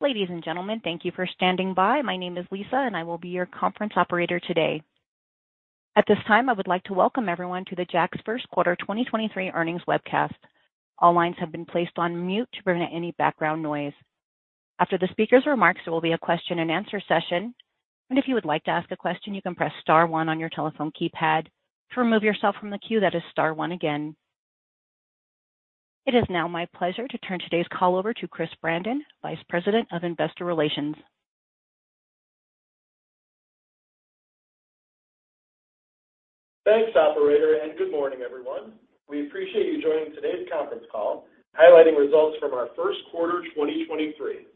Ladies and gentlemen, thank you for standing by. My name is Lisa, and I will be your conference operator today. At this time, I would like to welcome everyone to the Jack's first quarter 2023 earnings webcast. All lines have been placed on mute to prevent any background noise. After the speaker's remarks, there will be a question and answer session. If you would like to ask a question, you can press star 1 on your telephone keypad. To remove yourself from the queue, that is star 1 again. It is now my pleasure to turn today's call over to Chris Brandon, Vice President of Investor Relations. Thanks, operator, and good morning, everyone. We appreciate you joining today's conference call, highlighting results from our first quarter 2023.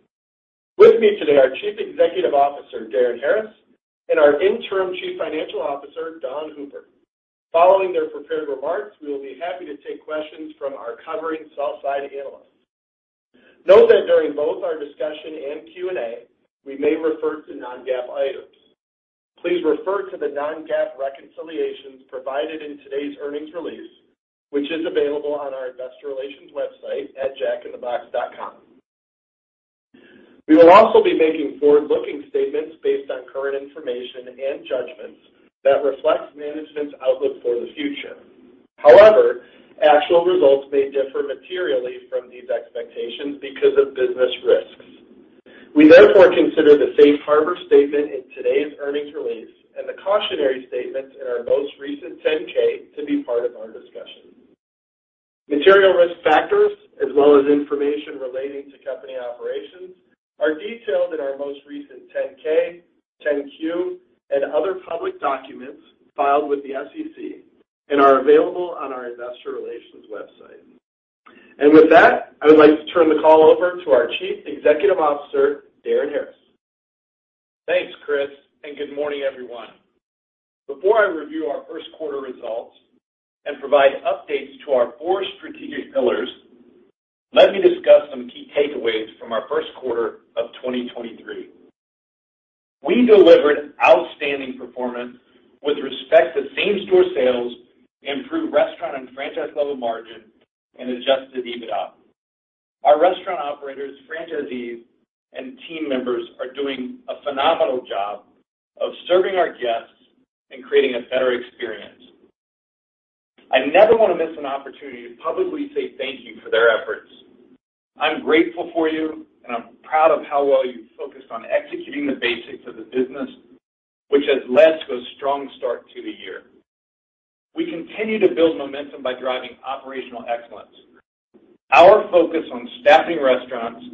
With me today are Chief Executive Officer, Darin Harris, and our interim Chief Financial Officer, Dawn Hooper. Following their prepared remarks, we will be happy to take questions from our covering sell side analysts. Note that during both our discussion and Q&A, we may refer to non-GAAP items. Please refer to the non-GAAP reconciliations provided in today's earnings release, which is available on our investor relations website at jackinthebox.com. We will also be making forward-looking statements based on current information and judgments that reflects management's outlook for the future. However, actual results may differ materially from these expectations because of business risks. We therefore consider the safe harbor statement in today's earnings release and the cautionary statements in our most recent 10-K to be part of our discussion. Material risk factors as well as information relating to company operations are detailed in our most recent 10-K, 10-Q, and other public documents filed with the SEC and are available on our investor relations website. With that, I would like to turn the call over to our Chief Executive Officer, Darin Harris. Thanks, Chris. Good morning, everyone. Before I review our first quarter results and provide updates to our four strategic pillars, let me discuss some key takeaways from our first quarter of 2023. We delivered outstanding performance with respect to same store sales, improved restaurant and franchise level margin, and adjusted EBITDA. Our restaurant operators, franchisees, and team members are doing a phenomenal job of serving our guests and creating a better experience. I never want to miss an opportunity to publicly say thank you for their efforts. I'm grateful for you, and I'm proud of how well you focused on executing the basics of the business, which has led to a strong start to the year. We continue to build momentum by driving operational excellence. Our focus on staffing restaurants,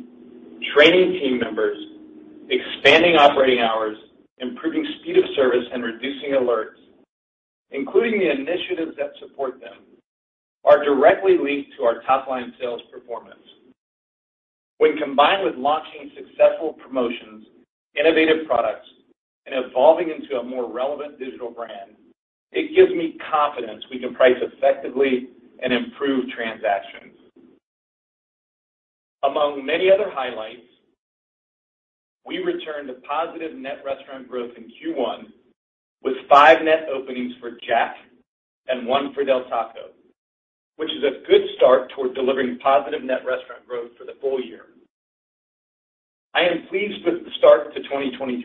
training team members, expanding operating hours, improving speed of service, and reducing alerts, including the initiatives that support them, are directly linked to our top line sales performance. When combined with launching successful promotions, innovative products, and evolving into a more relevant digital brand, it gives me confidence we can price effectively and improve transactions. Among many other highlights, we returned to positive net restaurant growth in Q1 with 5 net openings for Jack and 1 for Del Taco, which is a good start toward delivering positive net restaurant growth for the full year. I am pleased with the start to 2023,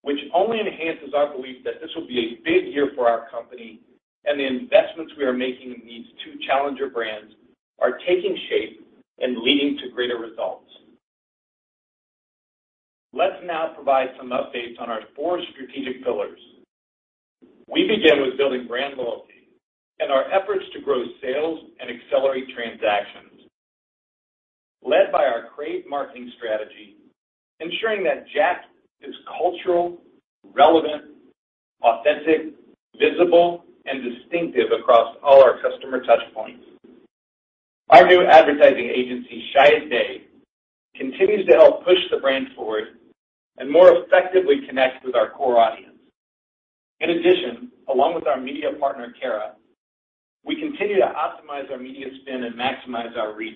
which only enhances our belief that this will be a big year for our company and the investments we are making in these two challenger brands are taking shape and leading to greater results. Let's now provide some updates on our four strategic pillars. We begin with building brand loyalty and our efforts to grow sales and accelerate transactions led by our CRAVE marketing strategy, ensuring that Jack is cultural, relevant, authentic, visible, and distinctive across all our customer touch points. Our new advertising agency, Chiat/Day, continues to help push the brand forward and more effectively connect with our core audience. In addition, along with our media partner, Carat, we continue to optimize our media spend and maximize our reach.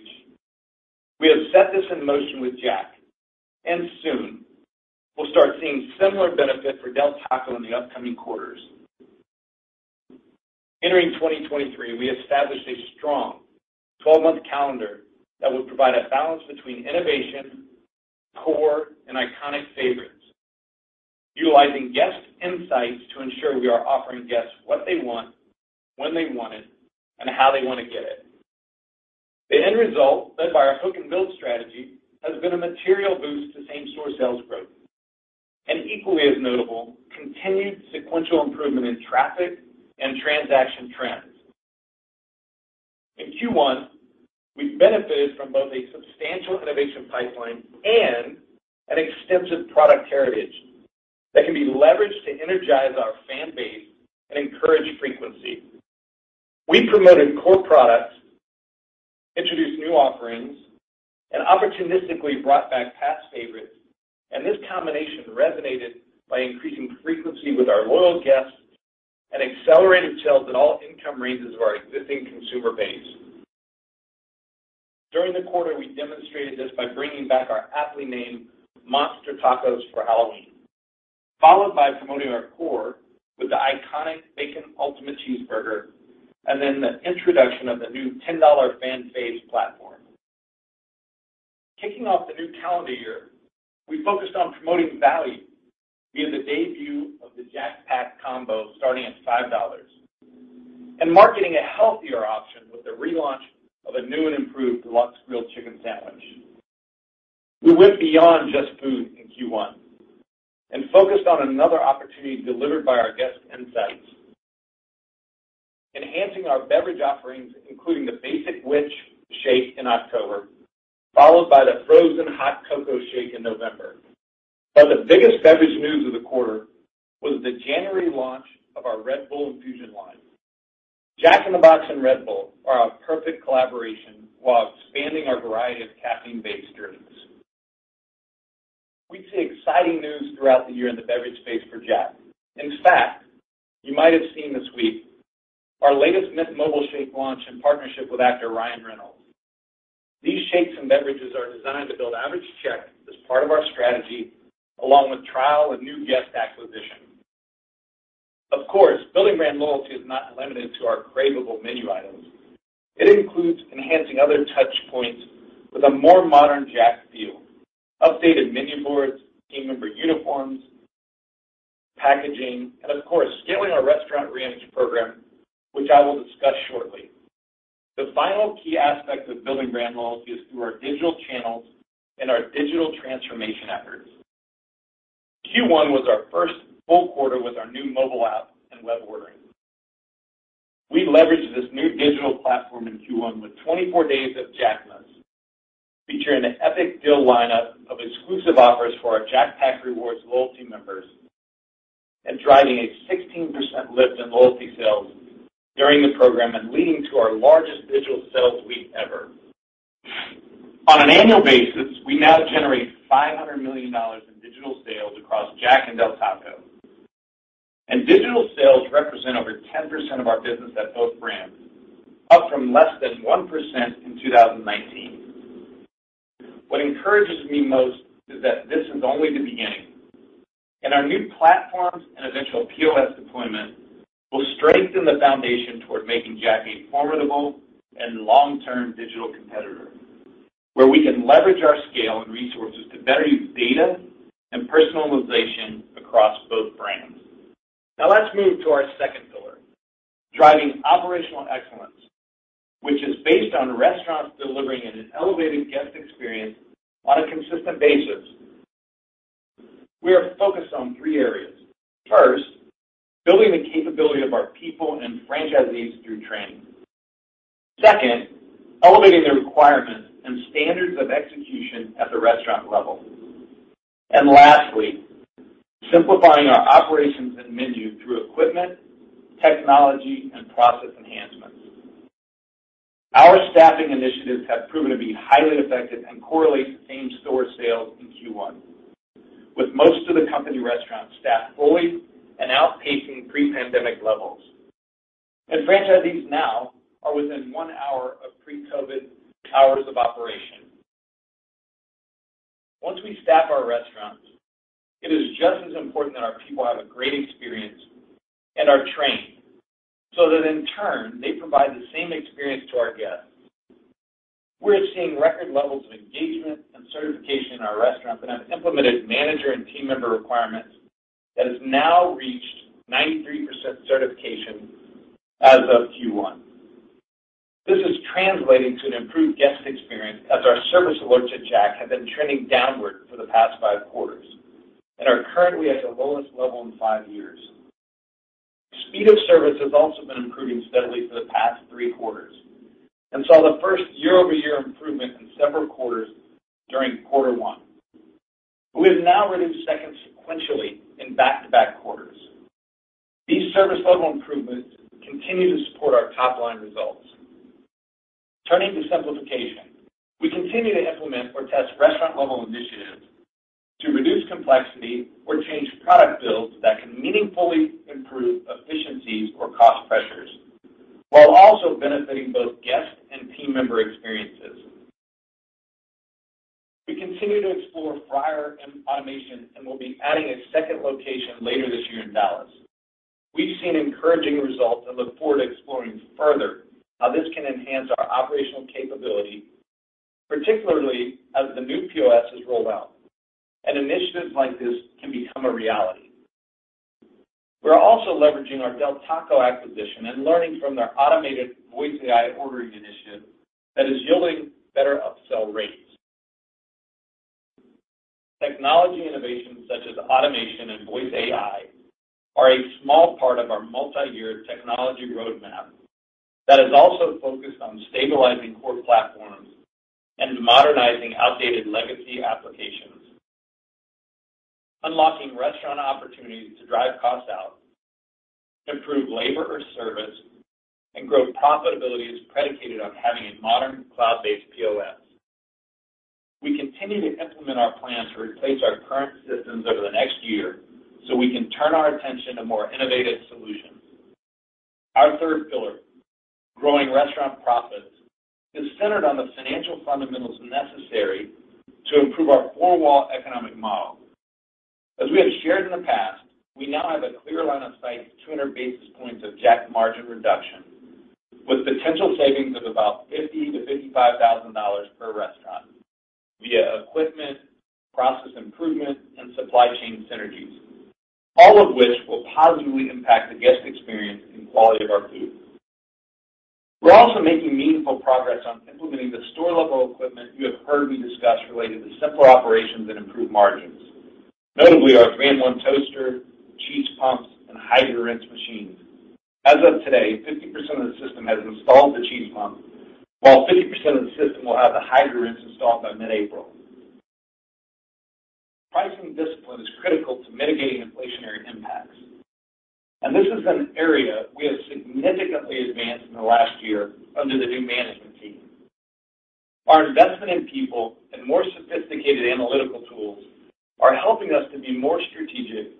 We have set this in motion with Jack, and soon we'll start seeing similar benefit for Del Taco in the upcoming quarters. Entering 2023, we established a strong 12-month calendar that will provide a balance between innovation, core, and iconic favorites, utilizing guest insights to ensure we are offering guests what they want, when they want it, and how they want to get it. The end result, led by our hook and build strategy, has been a material boost to same store sales growth. Equally as notable, continued sequential improvement in traffic and transaction trends. In Q1, we've benefited from both a substantial innovation pipeline and an extensive product heritage that can be leveraged to energize our fan base and encourage frequency. We promoted core products, introduced new offerings, and opportunistically brought back past favorites, and this combination resonated by increasing frequency with our loyal guests and accelerated sales at all income ranges of our existing consumer base. During the quarter, we demonstrated this by bringing back our aptly named Monster Tacos for Halloween. Followed by promoting our core with the iconic Bacon Ultimate Cheeseburger, and then the introduction of the new $10 Fan Favs platform. Kicking off the new calendar year, we focused on promoting value via the debut of the Jack Pack Combo starting at $5, and marketing a healthier option with the relaunch of a new and improved Deluxe Grilled Chicken Sandwich. We went beyond just food in Q1 and focused on another opportunity delivered by our guest insights, enhancing our beverage offerings, including the Basic Witch Shake in October, followed by the Frozen Hot Cocoa Shake in November. The biggest beverage news of the quarter was the January launch of our Red Bull Infusions line. Jack in the Box and Red Bull are a perfect collaboration while expanding our variety of caffeine-based drinks. We see exciting news throughout the year in the beverage space for Jack. In fact, you might have seen this week our latest Mint Mobile Shake launch in partnership with actor Ryan Reynolds. These shakes and beverages are designed to build average check as part of our strategy, along with trial and new guest acquisition. Of course, building brand loyalty is not limited to our cravable menu items. It includes enhancing other touch points with a more modern Jack feel, updated menu boards, team member uniforms, packaging, and of course, scaling our restaurant reimage program, which I will discuss shortly. The final key aspect of building brand loyalty is through our digital channels and our digital transformation efforts. Q1 was our first full quarter with our new mobile app and web ordering. We leveraged this new digital platform in Q1 with 24 days of Jackmas, featuring an epic deal lineup of exclusive offers for our Jack Pack Rewards loyalty members and driving a 16% lift in loyalty sales during the program and leading to our largest digital sales week ever. On an annual basis, we now generate $500 million in digital sales across Jack and Del Taco, and digital sales represent over 10% of our business at both brands, up from less than 1% in 2019. What encourages me most is that this is only the beginning, and our new platforms and eventual POS deployment will strengthen the foundation toward making Jack a formidable and long-term digital competitor, where we can leverage our scale and resources to better use data and personalization across both brands. Now let's move to our second pillar, driving operational excellence, which is based on restaurants delivering an elevated guest experience on a consistent basis. We are focused on three areas. First, building the capability of our people and franchisees through training. Second, elevating the requirements and standards of execution at the restaurant level. Lastly, simplifying our operations and menu through equipment, technology, and process enhancements. Our staffing initiatives have proven to be highly effective and correlate to same store sales in Q1 with most of the company restaurants staffed fully and outpacing pre-pandemic levels. Franchisees now are within 1 hour of pre-COVID hours of operation. Once we staff our restaurants, it is just as important that our people have a great experience and are trained so that in turn, they provide the same experience to our guests. We're seeing record levels of engagement and certification in our restaurants and have implemented manager and team member requirements that has now reached 93% certification as of Q1. This is translating to an improved guest experience as our service alerts at Jack have been trending downward for the past 5 quarters and are currently at the lowest level in 5 years. Speed of service has also been improving steadily for the past 3 quarters and saw the first year-over-year improvement in several quarters during Q1. We have now reduced seconds sequentially in back-to-back quarters. These service level improvements continue to support our top-line results. Turning to simplification, we continue to implement or test restaurant level initiatives to reduce complexity or change product builds that can meaningfully improve efficiencies or cost pressures while also benefiting both guests and team member experiences. We continue to explore fryer and automation and will be adding a second location later this year in Dallas. We've seen encouraging results and look forward to exploring further how this can enhance our operational capability, particularly as the new POS is rolled out and initiatives like this can become a reality. We're also leveraging our Del Taco acquisition and learning from their automated voice AI ordering initiative that is yielding better upsell rates. Technology innovations such as automation and voice AI are a small part of our multi-year technology roadmap that is also focused on stabilizing core platforms and modernizing outdated legacy applications. Unlocking restaurant opportunities to drive costs out, improve labor or service, and grow profitability is predicated on having a modern cloud-based POS. We continue to implement our plans to replace our current systems over the next year so we can turn our attention to more innovative solutions. Our third pillar, growing restaurant profits, is centered on the financial fundamentals necessary to improve our four-wall economic model. As we have shared in the past, we now have a clear line of sight to 200 basis points of Jack margin reduction, with potential savings of about $50,000-$55,000 per restaurant via equipment, process improvement, and supply chain synergies. All of which will positively impact the guest experience and quality of our food. We're also making meaningful progress on implementing the store-level equipment you have heard me discuss related to simpler operations and improved margins. Notably, our three-in-one toaster, cheese pumps, and HydroRinse machines. As of today, 50% of the system has installed the cheese pump, while 50% of the system will have the HydroRinse installed by mid-April. Pricing discipline is critical to mitigating inflationary impacts. This is an area we have significantly advanced in the last 1 year under the new management team. Our investment in people and more sophisticated analytical tools are helping us to be more strategic,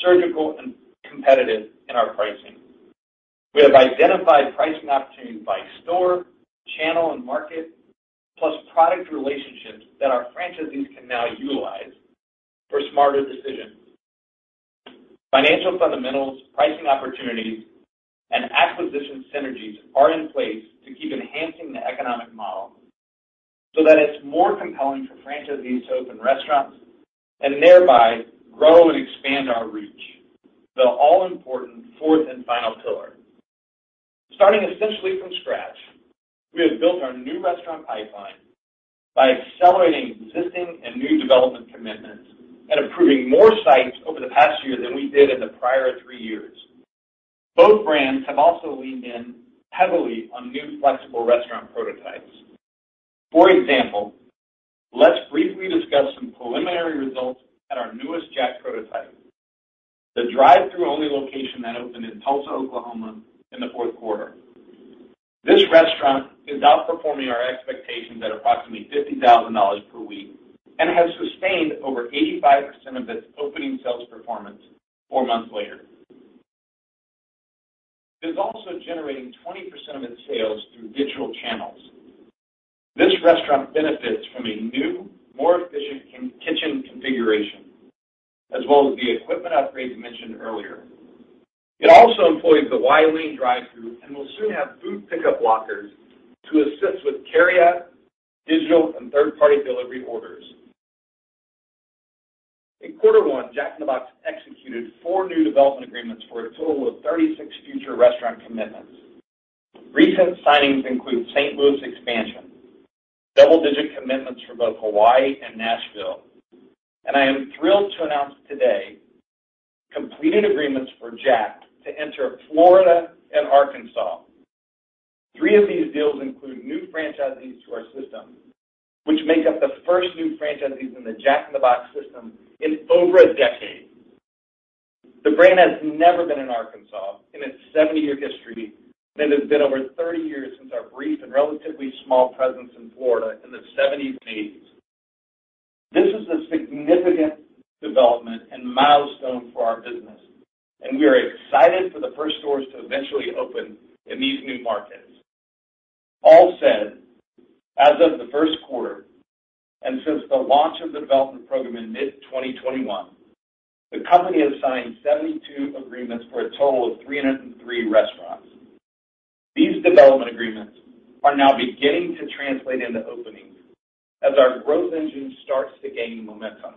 surgical, and competitive in our pricing. We have identified pricing opportunities by store, channel, and market, plus product relationships that our franchisees can now utilize for smarter decisions. Financial fundamentals, pricing opportunities, and acquisition synergies are in place to keep enhancing the economic model so that it's more compelling for franchisees to open restaurants and thereby grow and expand our reach. The all-important fourth and final pillar. Starting essentially from scratch, we have built our new restaurant pipeline by accelerating existing and new development commitments and approving more sites over the past year than we did in the prior three years. Both brands have also leaned in heavily on new flexible restaurant prototypes. For example, let's briefly discuss some preliminary results at our newest Jack prototype, the drive-thru only location that opened in Tulsa, Oklahoma, in the fourth quarter. This restaurant is outperforming our expectations at approximately $50,000 per week and has sustained over 85% of its opening sales performance four months later. It is also generating 20% of its sales through digital channels. This restaurant benefits from a new, more efficient kitchen configuration, as well as the equipment upgrade mentioned earlier. It also employs the Y-lane drive-thru and will soon have food pickup lockers to assist with carryout, digital, and third-party delivery orders. In quarter one, Jack in the Box executed four new development agreements for a total of 36 future restaurant commitments. Recent signings include St. Louis expansion, double-digit commitments for both Hawaii and Nashville, and I am thrilled to announce today completed agreements for Jack to enter Florida and Arkansas. Three of these deals include new franchisees to our system, which make up the first new franchisees in the Jack in the Box system in over a decade. The brand has never been in Arkansas in its 70-year history, and it has been over 30 years since our brief and relatively small presence in Florida in the 70s and 80s. This is a significant development and milestone for our business, and we are excited for the first stores to eventually open in these new markets. All said, as of the first quarter and since the launch of the development program in mid-2021, the company has signed 72 agreements for a total of 303 restaurants. These development agreements are now beginning to translate into openings as our growth engine starts to gain momentum.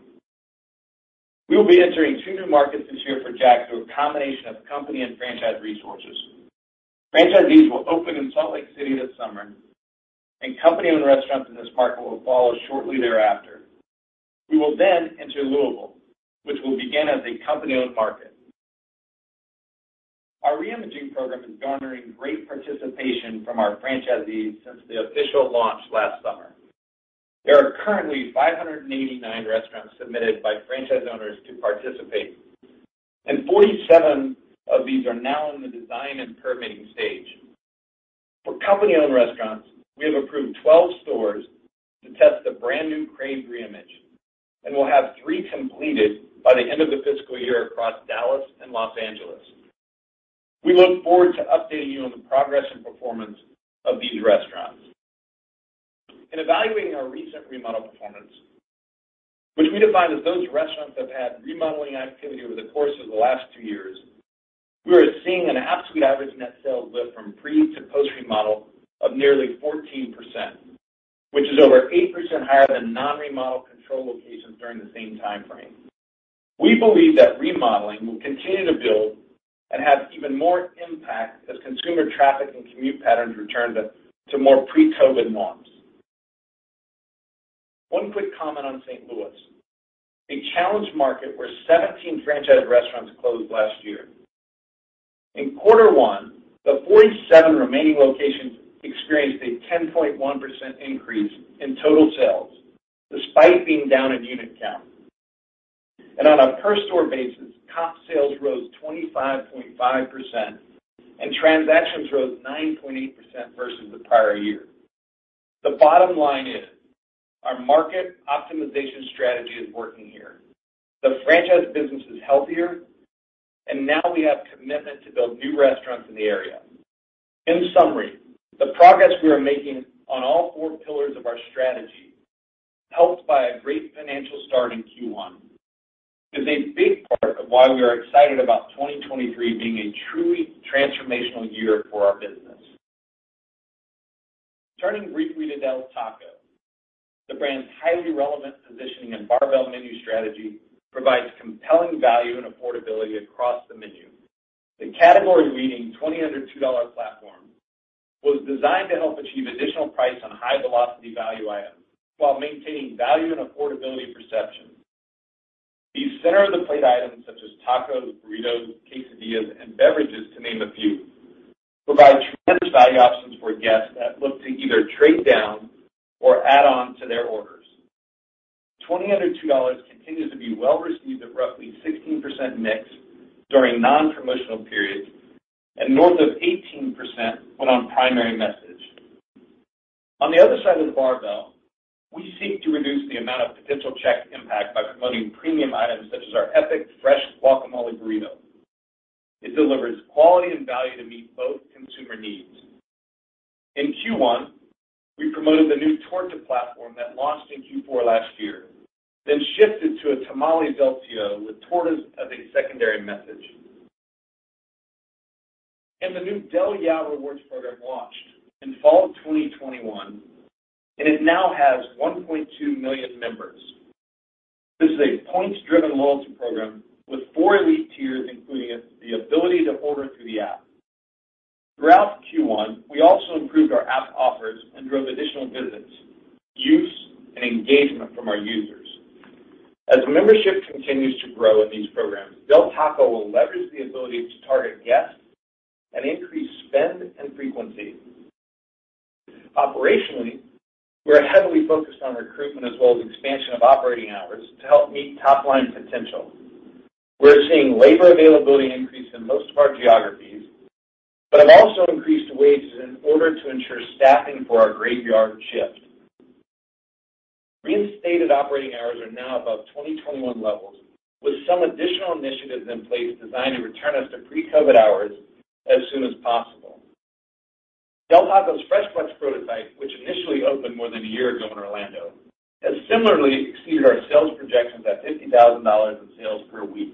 We will be entering two new markets this year for Jack through a combination of company and franchise resources. Franchisees will open in Salt Lake City this summer and company-owned restaurants in this market will follow shortly thereafter. We will enter Louisville, which will begin as a company-owned market. Our reimaging program is garnering great participation from our franchisees since the official launch last summer. There are currently 589 restaurants submitted by franchise owners to participate, and 47 of these are now in the design and permitting stage. For company-owned restaurants, we have approved 12 stores to test the brand new Crave reimage, and we'll have three completed by the end of the fiscal year across Dallas and Los Angeles. We look forward to updating you on the progress and performance of these restaurants. In evaluating our recent remodel performance, which we define as those restaurants that have had remodeling activity over the course of the last two years, we are seeing an absolute average net sales lift from pre to post remodel of nearly 14%, which is over 8% higher than non-remodel control locations during the same time frame. We believe that remodeling will continue to build and have even more impact as consumer traffic and commute patterns return to more pre-COVID norms. One quick comment on St. Louis, a challenged market where 17 franchised restaurants closed last year. In quarter one, the 47 remaining locations experienced a 10.1% increase in total sales despite being down in unit count. On a per store basis, top sales rose 25.5% and transactions rose 9.8% versus the prior year. The bottom line is our market optimization strategy is working here. The franchise business is healthier, and now we have commitment to build new restaurants in the area. In summary, the progress we are making on all four pillars of our strategy, helped by a great financial start in Q1, is a big part of why we are excited about 2023 being a truly transformational year for our business. Turning briefly to Del Taco, the brand's highly relevant positioning and barbell menu strategy provides compelling value and affordability across the menu. The category-leading 20 Under $2 platform was designed to help achieve additional price on high-velocity value items while maintaining value and affordability perception. These center-of-the-plate items, such as tacos, burritos, quesadillas, and beverages, to name a few, provide tremendous value options for guests that look to either trade down or add on to their orders. 20 Under $2 continues to be well received at roughly 16% mix during non-promotional periods and north of 18% when on primary message. On the other side of the barbell, we seek to reduce the amount of potential check impact by promoting premium items such as our Epic Fresh Guacamole Burrito. It delivers quality and value to meet both consumer needs. In Q1, we promoted the new Epic Tortas platform that launched in Q4 last year, shifted to a tamales Del Taco with Epic Tortas as a secondary message. The new Del Yeah! rewards program launched in fall of 2021, and it now has 1.2 million members. This is a points-driven loyalty program with four elite tiers, including the ability to order through the app. Throughout Q1, we also improved our app offers and drove additional visits, use, and engagement from our users. As membership continues to grow in these programs, Del Taco will leverage the ability to target guests and increase spend and frequency. Operationally, we are heavily focused on recruitment as well as expansion of operating hours to help meet top-line potential. We're seeing labor availability increase in most of our geographies, but have also increased wages in order to ensure staffing for our graveyard shift. Reinstated operating hours are now above 2021 levels, with some additional initiatives in place designed to return us to pre-COVID hours as soon as possible. Del Taco's Fresh Flex prototype, which initially opened more than a year ago in Orlando, has similarly exceeded our sales projections at $50,000 in sales per week.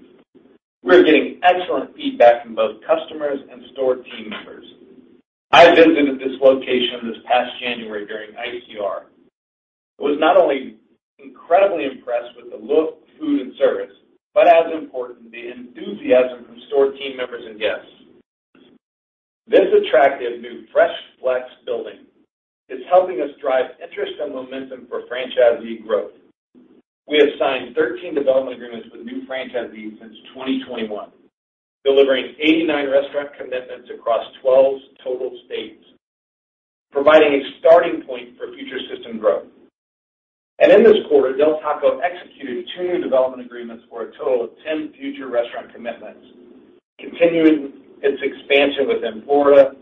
We are getting excellent feedback from both customers and store team members. I visited this location this past January during ICR. I was not only incredibly impressed with the look, food, and service, but as important, the enthusiasm from store team members and guests. This attractive new Fresh Flex building is helping us drive interest and momentum for franchisee growth. We have signed 13 development agreements with new franchisees since 2021, delivering 89 restaurant commitments across 12 total states, providing a starting point for future system growth. In this quarter, Del Taco executed 2 new development agreements for a total of 10 future restaurant commitments, continuing its expansion within Florida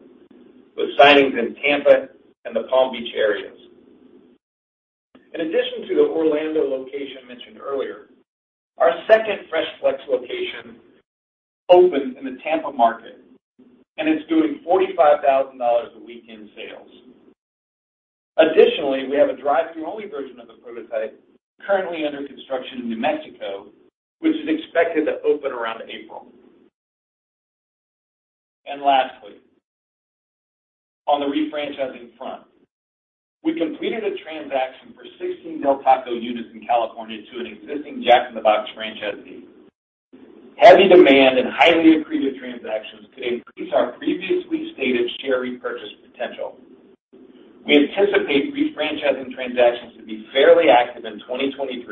with signings in Tampa and the Palm Beach areas. In addition to the Orlando location mentioned earlier, our second Fresh Flex location opened in the Tampa market, and it's doing $45,000 a week in sales. Additionally, we have a drive-thru only version of the prototype currently under construction in New Mexico, which is expected to open around April. Lastly, on the refranchising front, we completed a transaction for 16 Del Taco units in California to an existing Jack in the Box franchisee. Heavy demand and highly accretive transactions could increase our previously stated share repurchase potential. We anticipate refranchising transactions to be fairly active in 2023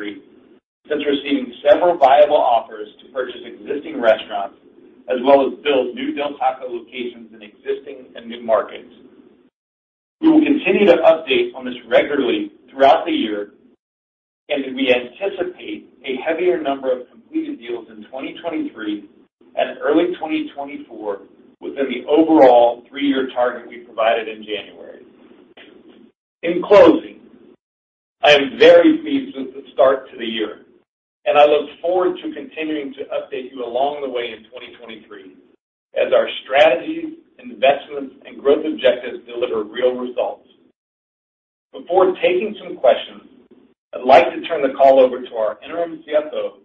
since receiving several viable offers to purchase existing restaurants as well as build new Del Taco locations in existing and new markets. We will continue to update on this regularly throughout the year and we anticipate a heavier number of completed deals in 2023 and early 2024 within the overall three-year target we provided in January. In closing, I am very pleased with the start to the year, and I look forward to continuing to update you along the way in 2023 as our strategies, investments, and growth objectives deliver real results. Before taking some questions, I'd like to turn the call over to our interim CFO,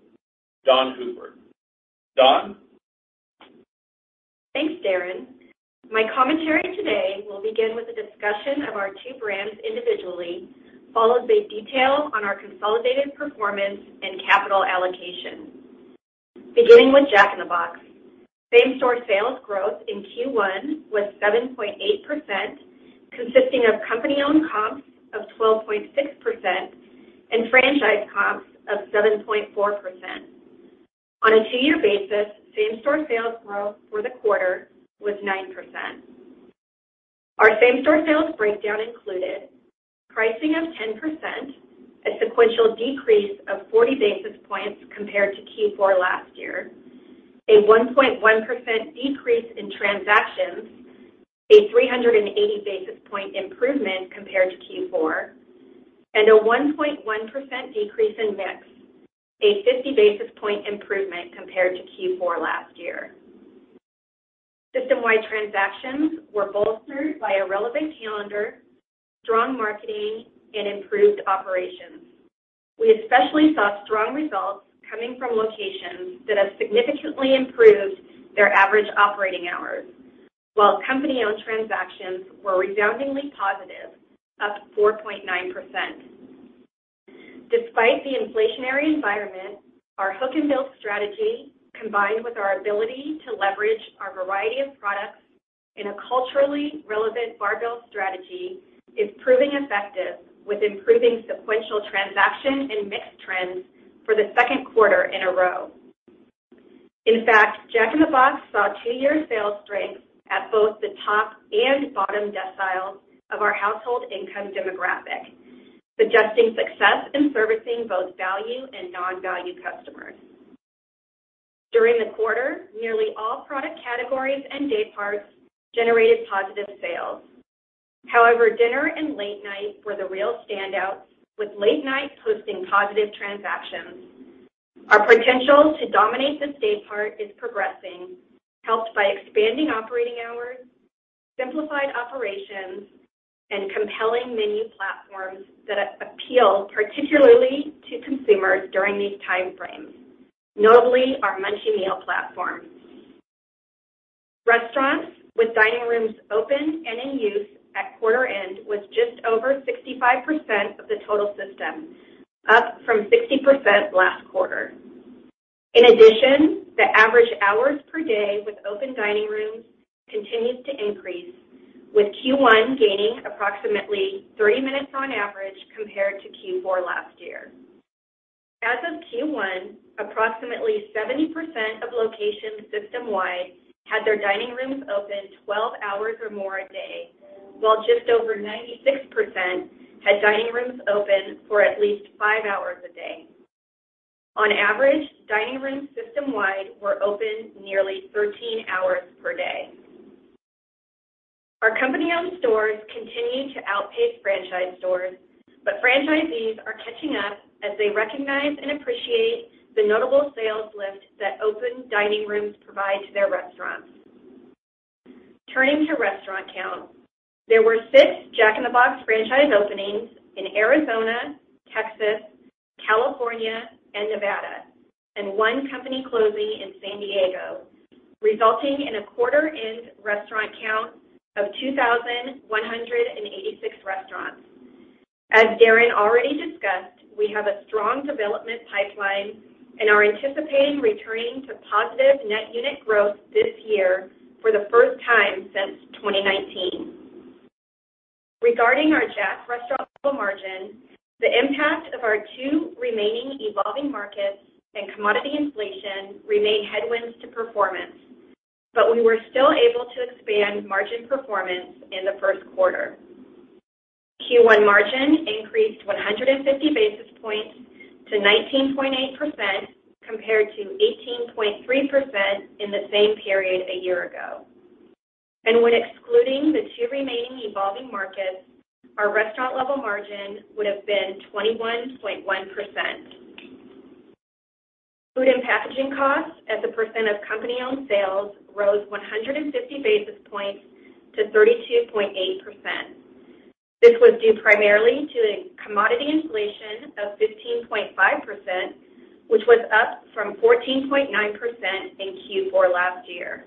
Dawn Hooper. Dawn? Thanks, Darin. My commentary today will begin with a discussion of our two brands individually, followed by detail on our consolidated performance and capital allocation. Beginning with Jack in the Box, same-store sales growth in Q1 was 7.8%, consisting of company-owned comps of 12.6% and franchise comps of 7.4%. On a two-year basis, same-store sales growth for the quarter was 9%. Our same-store sales breakdown included pricing of 10%, a sequential decrease of 40 basis points compared to Q4 last year. A 1.1% decrease in transactions, a 380 basis point improvement compared to Q4, and a 1.1% decrease in mix, a 50 basis point improvement compared to Q4 last year. System-wide transactions were bolstered by a relevant calendar, strong marketing, and improved operations. We especially saw strong results coming from locations that have significantly improved their average operating hours, while company-owned transactions were resoundingly positive, up 4.9%. Despite the inflationary environment, our hook and build strategy, combined with our ability to leverage our variety of products in a culturally relevant barbell menu strategy, is proving effective with improving sequential transaction and mix trends for the second quarter in a row. In fact, Jack in the Box saw two-year sales strength at both the top and bottom deciles of our household income demographic, suggesting success in servicing both value and non-value customers. During the quarter, nearly all product categories and day parts generated positive sales. However, dinner and late night were the real standouts, with late night posting positive transactions. Our potential to dominate this day part is progressing, helped by expanding operating hours, simplified operations, and compelling menu platforms that appeal particularly to consumers during these time frames, notably our Munchie Meal platform. Restaurants with dining rooms open and in use at quarter end was just over 65% of the total system, up from 60% last quarter. In addition, the average hours per day with open dining rooms continues to increase, with Q1 gaining approximately 3 minutes on average compared to Q4 last year. As of Q1, approximately 70% of locations system-wide had their dining rooms open 12 hours or more a day, while just over 96% had dining rooms open for at least 5 hours a day. On average, dining rooms system-wide were open nearly 13 hours per day. Our company-owned stores continue to outpace franchise stores. Franchisees are catching up as they recognize and appreciate the notable sales lift that open dining rooms provide to their restaurants. Turning to restaurant count, there were six Jack in the Box franchise openings in Arizona, Texas, California, and Nevada, and one company closing in San Diego, resulting in a quarter-end restaurant count of 2,186 restaurants. As Darin already discussed, we have a strong development pipeline and are anticipating returning to positive net unit growth this year for the first time since 2019. Regarding our Jack restaurant level margin, the impact of our two remaining evolving markets and commodity inflation remain headwinds to performance, but we were still able to expand margin performance in the first quarter. Q1 margin increased 150 basis points to 19.8% compared to 18.3% in the same period a year ago. When excluding the two remaining evolving markets, our restaurant level margin would have been 21.1%. Food and packaging costs as a percent of company-owned sales rose 150 basis points to 32.8%. This was due primarily to a commodity inflation of 15.5%, which was up from 14.9% in Q4 last year.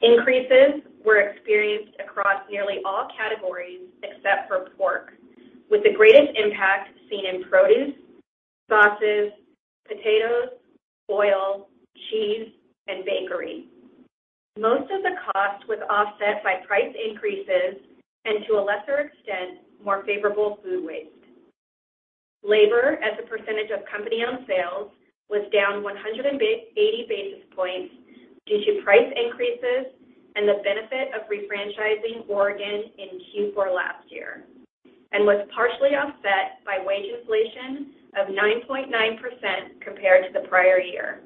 Increases were experienced across nearly all categories except for pork, with the greatest impact seen in produce, sauces, potatoes, oil, cheese, and bakery. Most of the cost was offset by price increases and to a lesser extent, more favorable food waste. Labor as a percentage of company-owned sales was down 180 basis points due to price increases and the benefit of refranchising Oregon in Q4 last year and was partially offset by wage inflation of 9.9% compared to the prior year.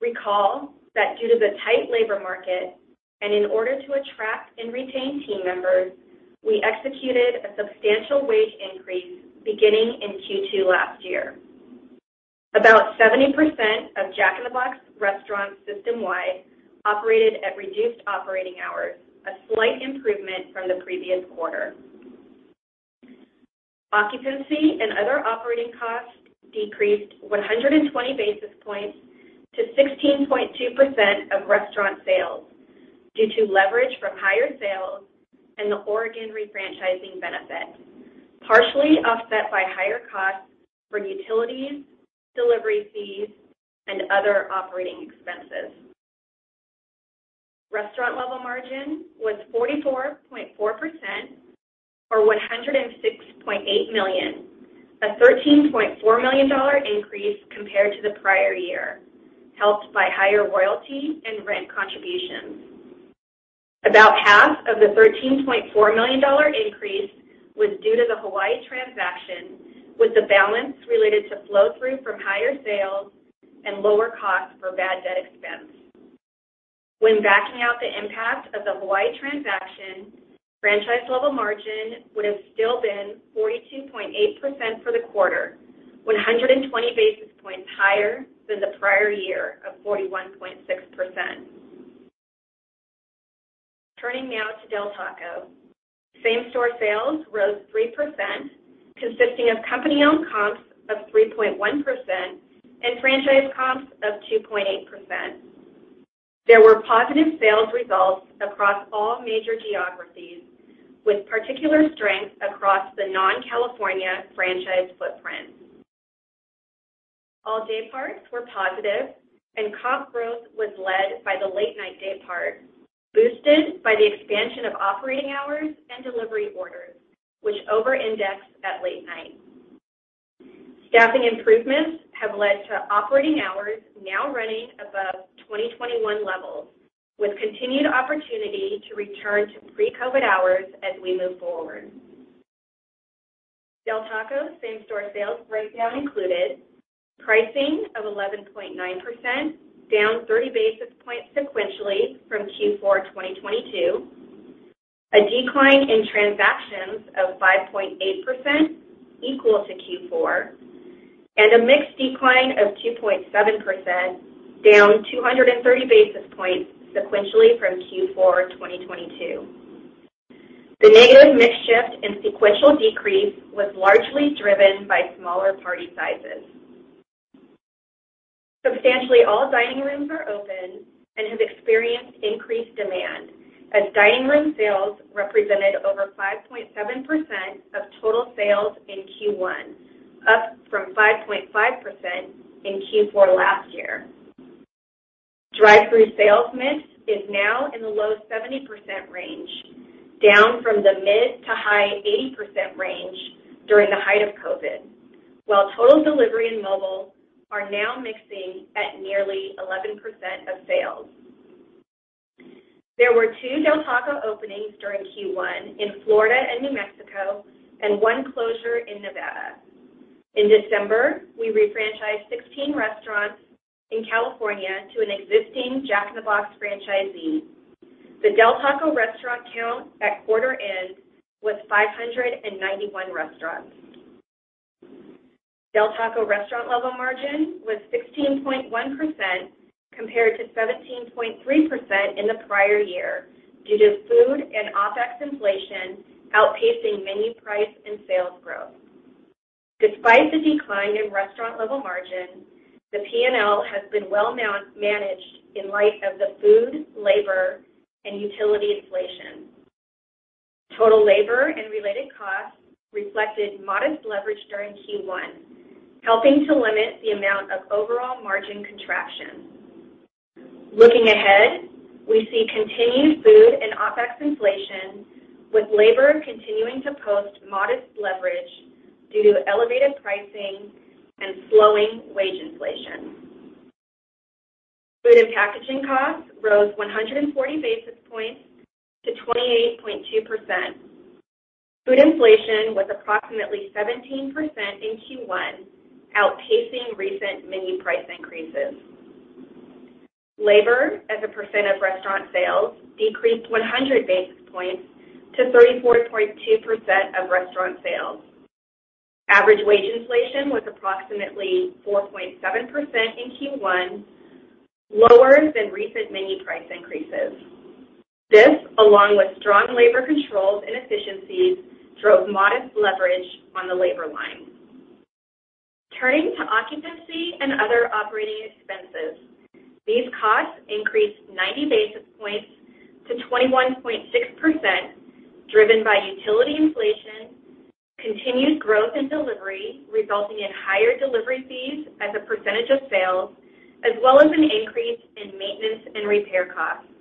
Recall that due to the tight labor market and in order to attract and retain team members, we executed a substantial wage increase beginning in Q2 last year. About 70% of Jack in the Box restaurants system-wide operated at reduced operating hours, a slight improvement from the previous quarter. Occupancy and other operating costs decreased 120 basis points to 16.2% of restaurant sales due to leverage from higher sales and the Oregon refranchising benefit, partially offset by higher costs for utilities, delivery fees, and other operating expenses. Restaurant level margin was 44.4% or $106.8 million, a $13.4 million increase compared to the prior year, helped by higher royalty and rent contributions. About half of the $13.4 million increase was due to the Hawaii transaction, with the balance related to flow through from higher sales and lower costs for bad debt expense. When backing out the impact of the Hawaii transaction, franchise level margin would have still been 42.8% for the quarter, 120 basis points higher than the prior year of 41.6%. Turning now to Del Taco. Same-store sales rose 3%, consisting of company-owned comps of 3.1% and franchise comps of 2.8%. There were positive sales results across all major geographies, with particular strength across the non-California franchise footprint. All dayparts were positive and comp growth was led by the late night daypart, boosted by the expansion of operating hours and delivery orders which over-index at late night. Staffing improvements have led to operating hours now running above 2021 levels, with continued opportunity to return to pre-COVID hours as we move forward. Del Taco same-store sales breakdown included pricing of 11.9%, down 30 basis points sequentially from Q4 2022, a decline in transactions of 5.8% equal to Q4, and a mixed decline of 2.7%, down 230 basis points sequentially from Q4 2022. The negative mix shift and sequential decrease was largely driven by smaller party sizes. Substantially all dining rooms are open and have experienced increased demand as dining room sales represented over 5.7% of total sales in Q1, up from 5.5% in Q4 last year. Drive-thru sales mix is now in the low 70% range, down from the mid to high 80% range during the height of COVID, while total delivery and mobile are now mixing at nearly 11% of sales. There were 2 Del Taco openings during Q1 in Florida and New Mexico and 1 closure in Nevada. In December, we refranchised 16 restaurants in California to an existing Jack in the Box franchisee. The Del Taco restaurant count at quarter end was 591 restaurants. Del Taco restaurant level margin was 16.1% compared to 17.3% in the prior year due to food and OpEx inflation outpacing menu price and sales growth. Despite the decline in restaurant level margin, the P&L has been well managed in light of the food, labor, and utility inflation. Total labor and related costs reflected modest leverage during Q1, helping to limit the amount of overall margin contraction. Looking ahead, we see continued food and OpEx inflation, with labor continuing to post modest leverage due to elevated pricing and slowing wage inflation. Food and packaging costs rose 140 basis points to 28.2%. Food inflation was approximately 17% in Q1, outpacing recent menu price increases. Labor as a percent of restaurant sales decreased 100 basis points to 34.2% of restaurant sales. Average wage inflation was approximately 4.7% in Q1, lower than recent menu price increases. This, along with strong labor controls and efficiencies, drove modest leverage on the labor line. Turning to occupancy and other operating expenses, these costs increased 90 basis points to 21.6%, driven by utility inflation, continued growth in delivery, resulting in higher delivery fees as a percentage of sales, as well as an increase in maintenance and repair costs.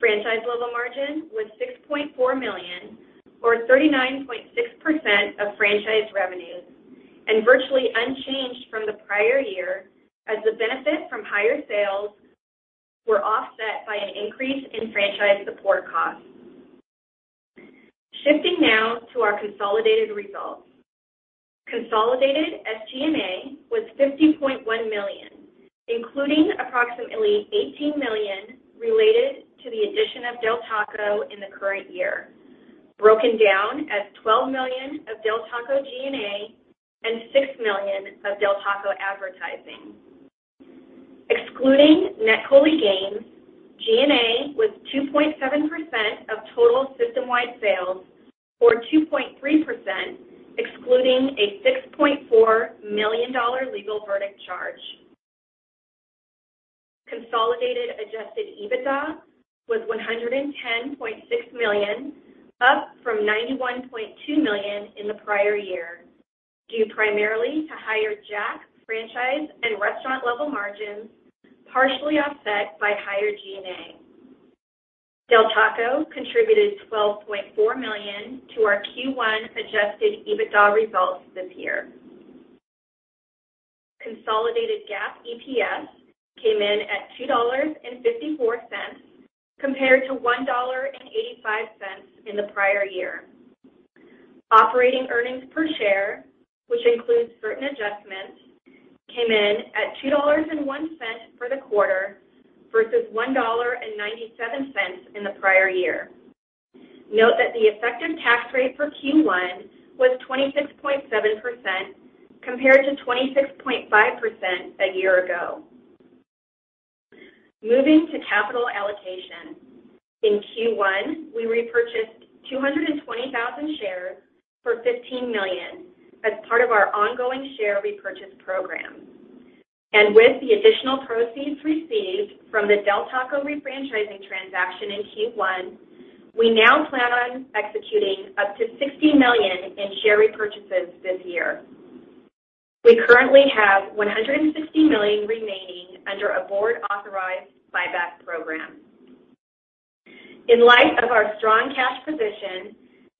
Franchise level margin was $6.4 million or 39.6% of franchise revenues and virtually unchanged from the prior year as the benefit from higher sales were offset by an increase in franchise support costs. Shifting now to our consolidated results. Consolidated SG&A was $50.1 million, including approximately $18 million related to the addition of Del Taco in the current year, broken down as $12 million of Del Taco G&A and $6 million of Del Taco advertising. Excluding net holiday gains, G&A was 2.7% of total system-wide sales, or 2.3% excluding a $6.4 million legal verdict charge. Consolidated adjusted EBITDA was $110.6 million, up from $91.2 million in the prior year, due primarily to higher Jack franchise and restaurant level margins, partially offset by higher G&A. Del Taco contributed $12.4 million to our Q1 adjusted EBITDA results this year. Consolidated GAAP EPS came in at $2.54 compared to $1.85 in the prior year. Operating earnings per share, which includes certain adjustments, came in at $2.01 for the quarter versus $1.97 in the prior year. Note that the effective tax rate for Q1 was 26.7% compared to 26.5% a year ago. Moving to capital allocation. In Q1, we repurchased 220,000 shares for $15 million as part of our ongoing share repurchase program. With the additional proceeds received from the Del Taco refranchising transaction in Q1, we now plan on executing up to $60 million in share repurchases this year. We currently have $160 million remaining under a board authorized buyback program. In light of our strong cash position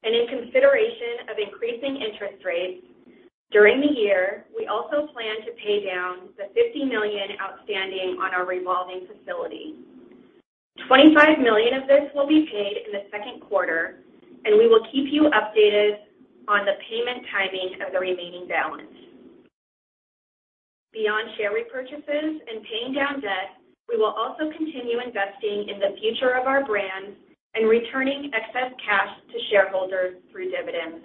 and in consideration of increasing interest rates during the year, we also plan to pay down the $50 million outstanding on our revolving facility. $25 million of this will be paid in the second quarter, and we will keep you updated on the payment timing of the remaining balance. Beyond share repurchases and paying down debt, we will also continue investing in the future of our brands and returning excess cash to shareholders through dividends.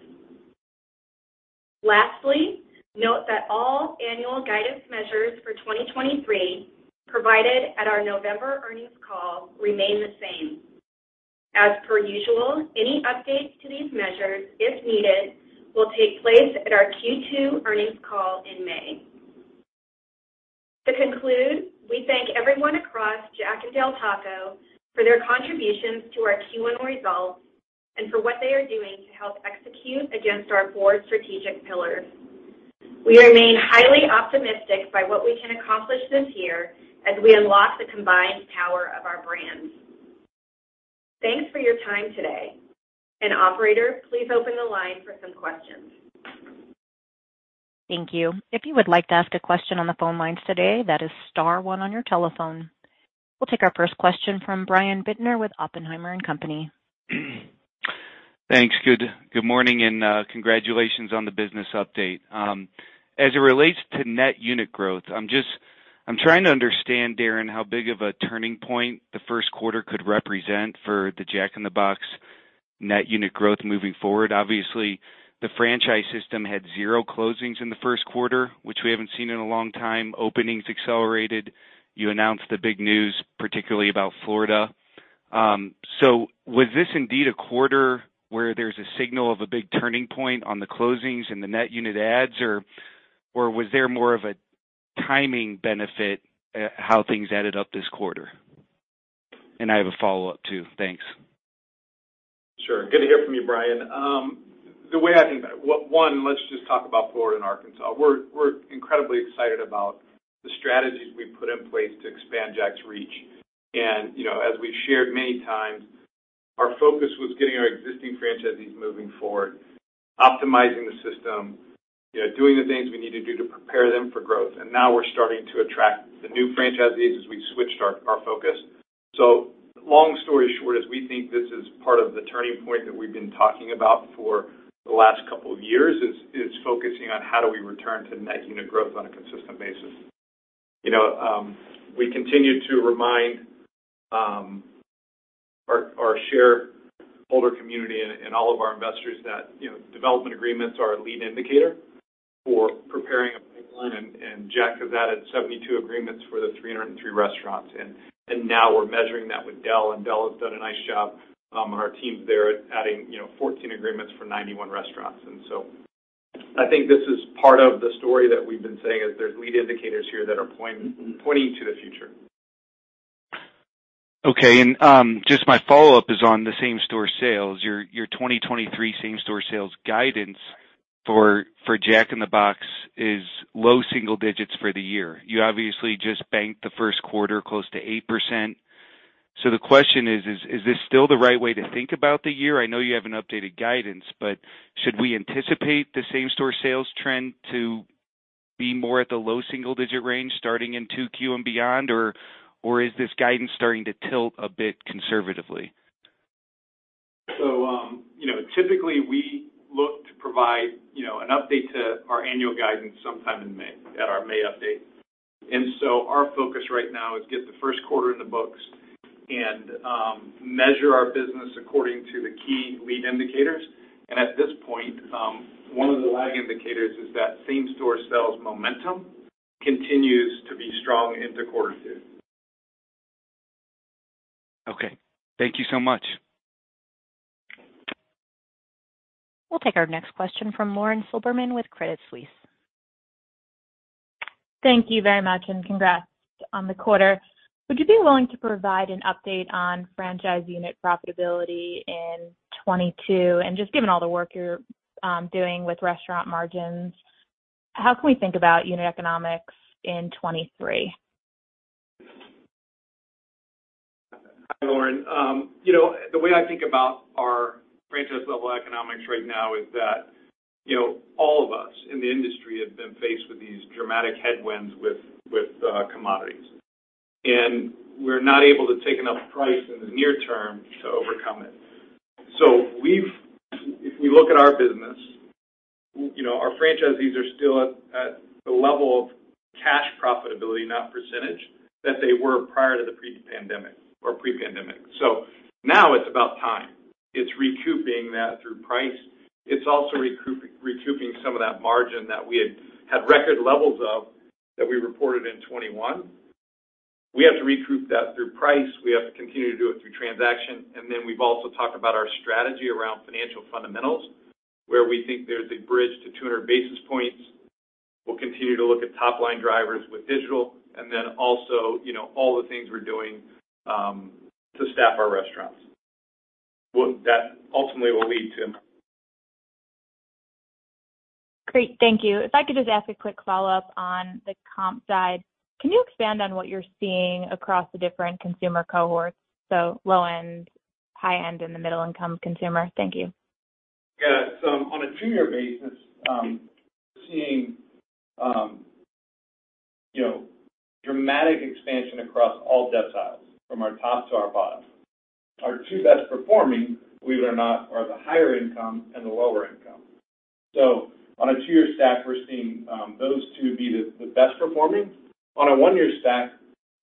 Lastly, note that all annual guidance measures for 2023 provided at our November earnings call remain the same. As per usual, any updates to these measures, if needed, will take place at our Q2 earnings call in May. To conclude, we thank everyone across Jack and Del Taco for their contributions to our Q1 results and for what they are doing to help execute against our board strategic pillars. We remain highly optimistic by what we can accomplish this year as we unlock the combined power of our brands. Thanks for your time today. Operator, please open the line for some questions. Thank you. If you would like to ask a question on the phone lines today, that is star one on your telephone. We'll take our first question from Brian Bittner with Oppenheimer and Company. Thanks. Good morning, and congratulations on the business update. As it relates to net unit growth, I'm trying to understand, Darin, how big of a turning point the 1st quarter could represent for the Jack in the Box net unit growth moving forward. Obviously, the franchise system had zero closings in the first quarter, which we haven't seen in a long time. Openings accelerated. You announced the big news, particularly about Florida. Was this indeed a quarter where there's a signal of a big turning point on the closings and the net unit adds, or was there more of a timing benefit at how things added up this quarter? I have a follow-up, too. Thanks. Sure. Good to hear from you, Brian. The way I think about it, one, let's just talk about Florida and Arkansas. We're incredibly excited about the strategies we've put in place to expand Jack's reach. You know, as we've shared many times, our focus was getting our existing franchisees moving forward, optimizing the system, you know, doing the things we need to do to prepare them for growth. Now we're starting to attract the new franchisees as we've switched our focus. Long story short is we think this is part of the turning point that we've been talking about for the last couple of years, focusing on how do we return to net unit growth on a consistent basis. You know, we continue to remind our shareholder community and all of our investors that, you know, development agreements are a lead indicator for preparing a pipeline. Jack has added 72 agreements for the 303 restaurants. Now we're measuring that with Del, and Del has done a nice job, our teams there at adding, you know, 14 agreements for 91 restaurants. I think this is part of the story that we've been saying is there's lead indicators here that are pointing to the future. Okay. Just my follow-up is on the same-store sales. Your 2023 same-store sales guidance for Jack in the Box is low single digits for the year. You obviously just banked the first quarter close to 8%. The question is this still the right way to think about the year? I know you haven't updated guidance, but should we anticipate the same-store sales trend to be more at the low single digit range starting in 2Q and beyond? Is this guidance starting to tilt a bit conservatively? You know, typically we look to provide, you know, an update to our annual guidance sometime in May, at our May update. Our focus right now is get the first quarter in the books and measure our business according to the key lead indicators. At this point, one of the lag indicators is that same-store sales momentum continues to be strong into quarter two. Okay. Thank you so much. We'll take our next question from Lauren Silberman with Credit Suisse. Thank you very much, and congrats on the quarter. Would you be willing to provide an update on franchise unit profitability in 22? Just given all the work you're doing with restaurant margins, how can we think about unit economics in 23? Lauren, you know, the way I think about our franchise level economics right now is that, you know, all of us in the industry have been faced with these dramatic headwinds with commodities. We're not able to take enough price in the near term to overcome it. If we look at our business, you know, our franchisees are still at the level of cash profitability, not percentage, that they were prior to the pre-pandemic or pre-pandemic. Now it's about time. It's recouping that through price. It's also recouping some of that margin that we had had record levels of that we reported in 2021. We have to recoup that through price. We have to continue to do it through transaction. Then we've also talked about our strategy around financial fundamentals, where we think there's a bridge to 200 basis points. We'll continue to look at top line drivers with digital, and then also, you know, all the things we're doing to staff our restaurants. That ultimately will lead to. Great. Thank you. If I could just ask a quick follow-up on the comp side. Can you expand on what you're seeing across the different consumer cohorts, so low end, high end, and the middle income consumer? Thank you. On a 2-year basis, seeing, you know, dramatic expansion across all deciles from our top to our bottom. Our 2 best performing, believe it or not, are the higher income and the lower income. On a 2-year stack, we're seeing, those 2 be the best performing. On a 1-year stack,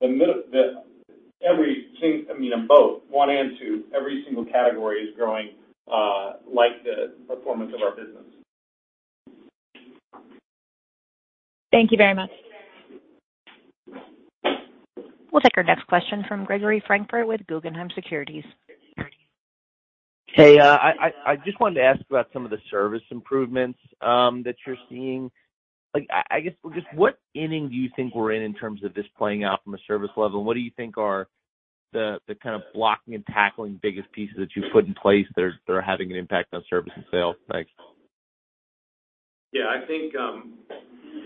every single, I mean, on both 1 and 2, every single category is growing, like the performance of our business. Thank you very much. We'll take our next question from Gregory Francfort with Guggenheim Securities. Hey. I just wanted to ask about some of the service improvements, that you're seeing. Like, I guess, just what inning do you think we're in terms of this playing out from a service level, and what do you think are the kind of blocking and tackling biggest pieces that you've put in place that are having an impact on service and sales? Thanks. Yeah, I think,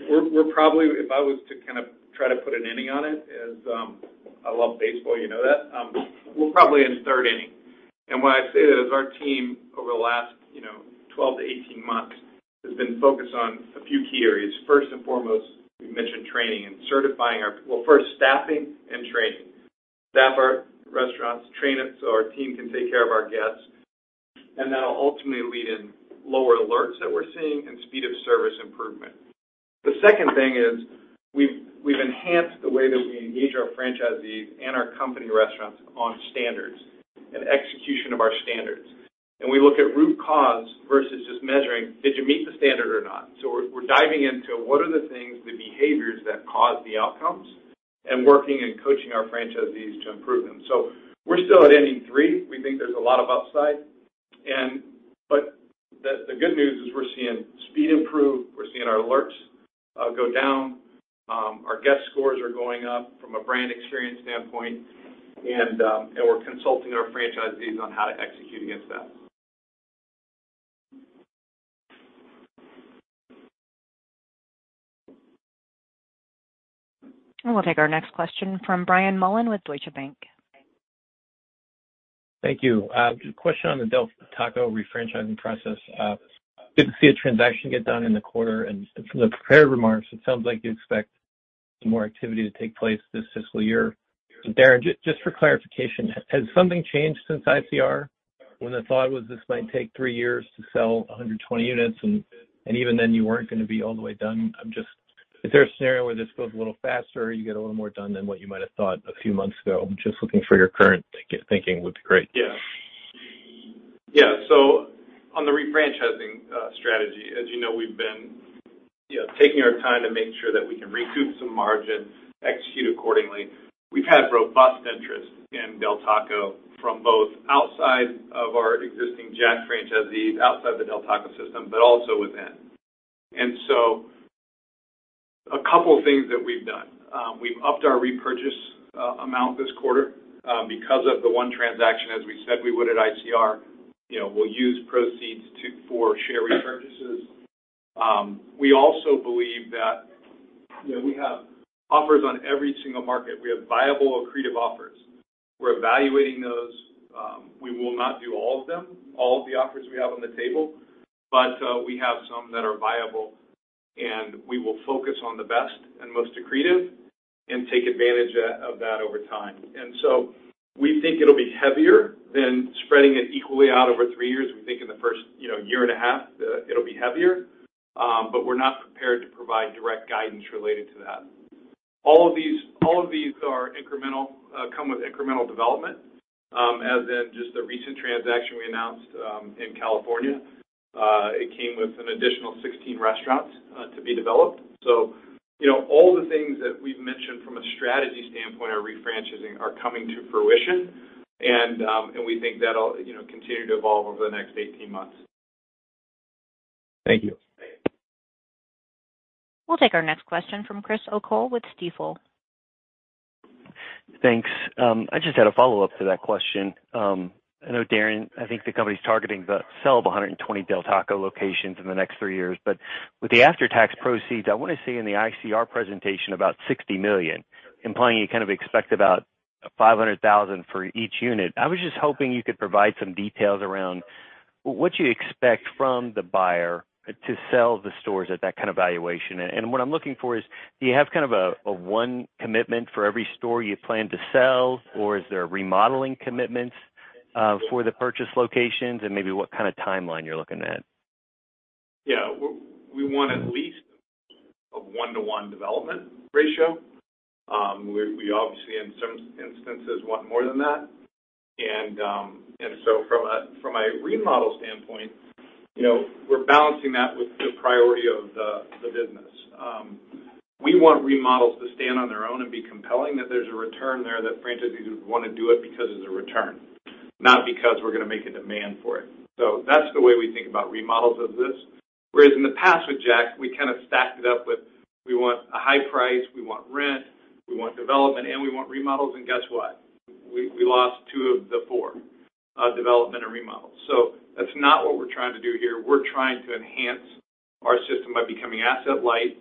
we're probably, if I was to kind of try to put an inning on it as, I love baseball, you know that, we're probably in third inning. When I say that, as our team over the last, you know, 12-18 months has been focused on a few key areas. First and foremost, we mentioned training and certifying, first staffing and training. Staff our restaurants, train them so our team can take care of our guests. That'll ultimately lead in lower alerts that we're seeing and speed of service improvement. The second thing is we've enhanced the way that we engage our franchisees and our company restaurants on standards and execution of our standards. We look at root cause versus just measuring, did you meet the standard or not? We're diving into what are the things, the behaviors that cause the outcomes, and working and coaching our franchisees to improve them. We're still at inning three. We think there's a lot of upside. The good news is we're seeing speed improve. We're seeing our alerts go down. Our guest scores are going up from a brand experience standpoint. We're consulting our franchisees on how to execute against that. We'll take our next question from Brian Mullan with Deutsche Bank. Thank you. Just a question on the Del Taco refranchising process. Didn't see a transaction get done in the quarter. From the prepared remarks, it sounds like you expect some more activity to take place this fiscal year. Darin, just for clarification, has something changed since ICR when the thought was this might take three years to sell 120 units and even then you weren't gonna be all the way done? Is there a scenario where this goes a little faster, you get a little more done than what you might have thought a few months ago? Just looking for your current thinking would be great. On the refranchising strategy, as you know, we've been, you know, taking our time to make sure that we can recoup some margin, execute accordingly. We've had robust interest in Del Taco from both outside of our existing Jack franchisees, outside the Del Taco system, but also within. 2 things that we've done. We've upped our repurchase amount this quarter because of the 1 transaction as we said we would at ICR. You know, we'll use proceeds for share repurchases. We also believe that, you know, we have offers on every single market. We have viable, accretive offers. We're evaluating those. We will not do all of them, all of the offers we have on the table, but we have some that are viable, and we will focus on the best and most accretive and take advantage of that over time. We think it'll be heavier than spreading it equally out over 3 years. We think in the first, you know, year and a half, it'll be heavier. We're not prepared to provide direct guidance related to that. All of these are incremental, come with incremental development, as in just the recent transaction we announced in California. It came with an additional 16 restaurants to be developed. You know, all the things that we've mentioned from a strategy standpoint are refranchising are coming to fruition. We think that'll, you know, continue to evolve over the next 18 months. Thank you. Thanks. We'll take our next question from Chris O'Cull with Stifel. Thanks. I just had a follow-up to that question. I know, Darin, I think the company's targeting the sale of 120 Del Taco locations in the next 3 years. With the after-tax proceeds, I wanna say in the ICR presentation about $60 million, implying you kind of expect about $500,000 for each unit. I was just hoping you could provide some details around what you expect from the buyer to sell the stores at that kind of valuation. What I'm looking for is, do you have kind of a 1 commitment for every store you plan to sell? Or is there remodeling commitments for the purchase locations? And maybe what kind of timeline you're looking at. Yeah. We want at least a 1-to-1 development ratio. We obviously in some instances want more than that. From a remodel standpoint, you know, we're balancing that with the priority of the business. We want remodels to stand on their own and be compelling, that there's a return there, that franchisees would wanna do it because there's a return, not because we're gonna make a demand for it. That's the way we think about remodels of this. Whereas in the past with Jack, we kind of stacked it up with, we want a high price, we want rent, we want development, and we want remodels, and guess what? We lost 2 of the 4, development and remodels. That's not what we're trying to do here. We're trying to enhance our system by becoming asset light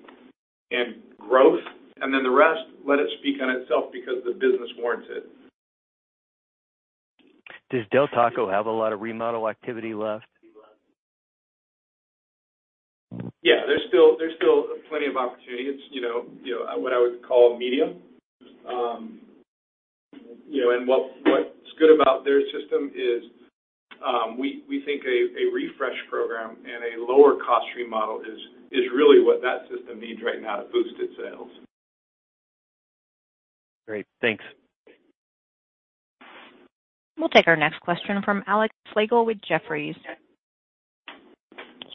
and growth, and then the rest, let it speak on itself because the business warrants it. Does Del Taco have a lot of remodel activity left? Yeah. There's still plenty of opportunities, you know, what I would call medium. You know, what's good about their system is, we think a refresh program and a lower cost remodel is really what that system needs right now to boost its sales. Great. Thanks. We'll take our next question from Alex Slagle with Jefferies.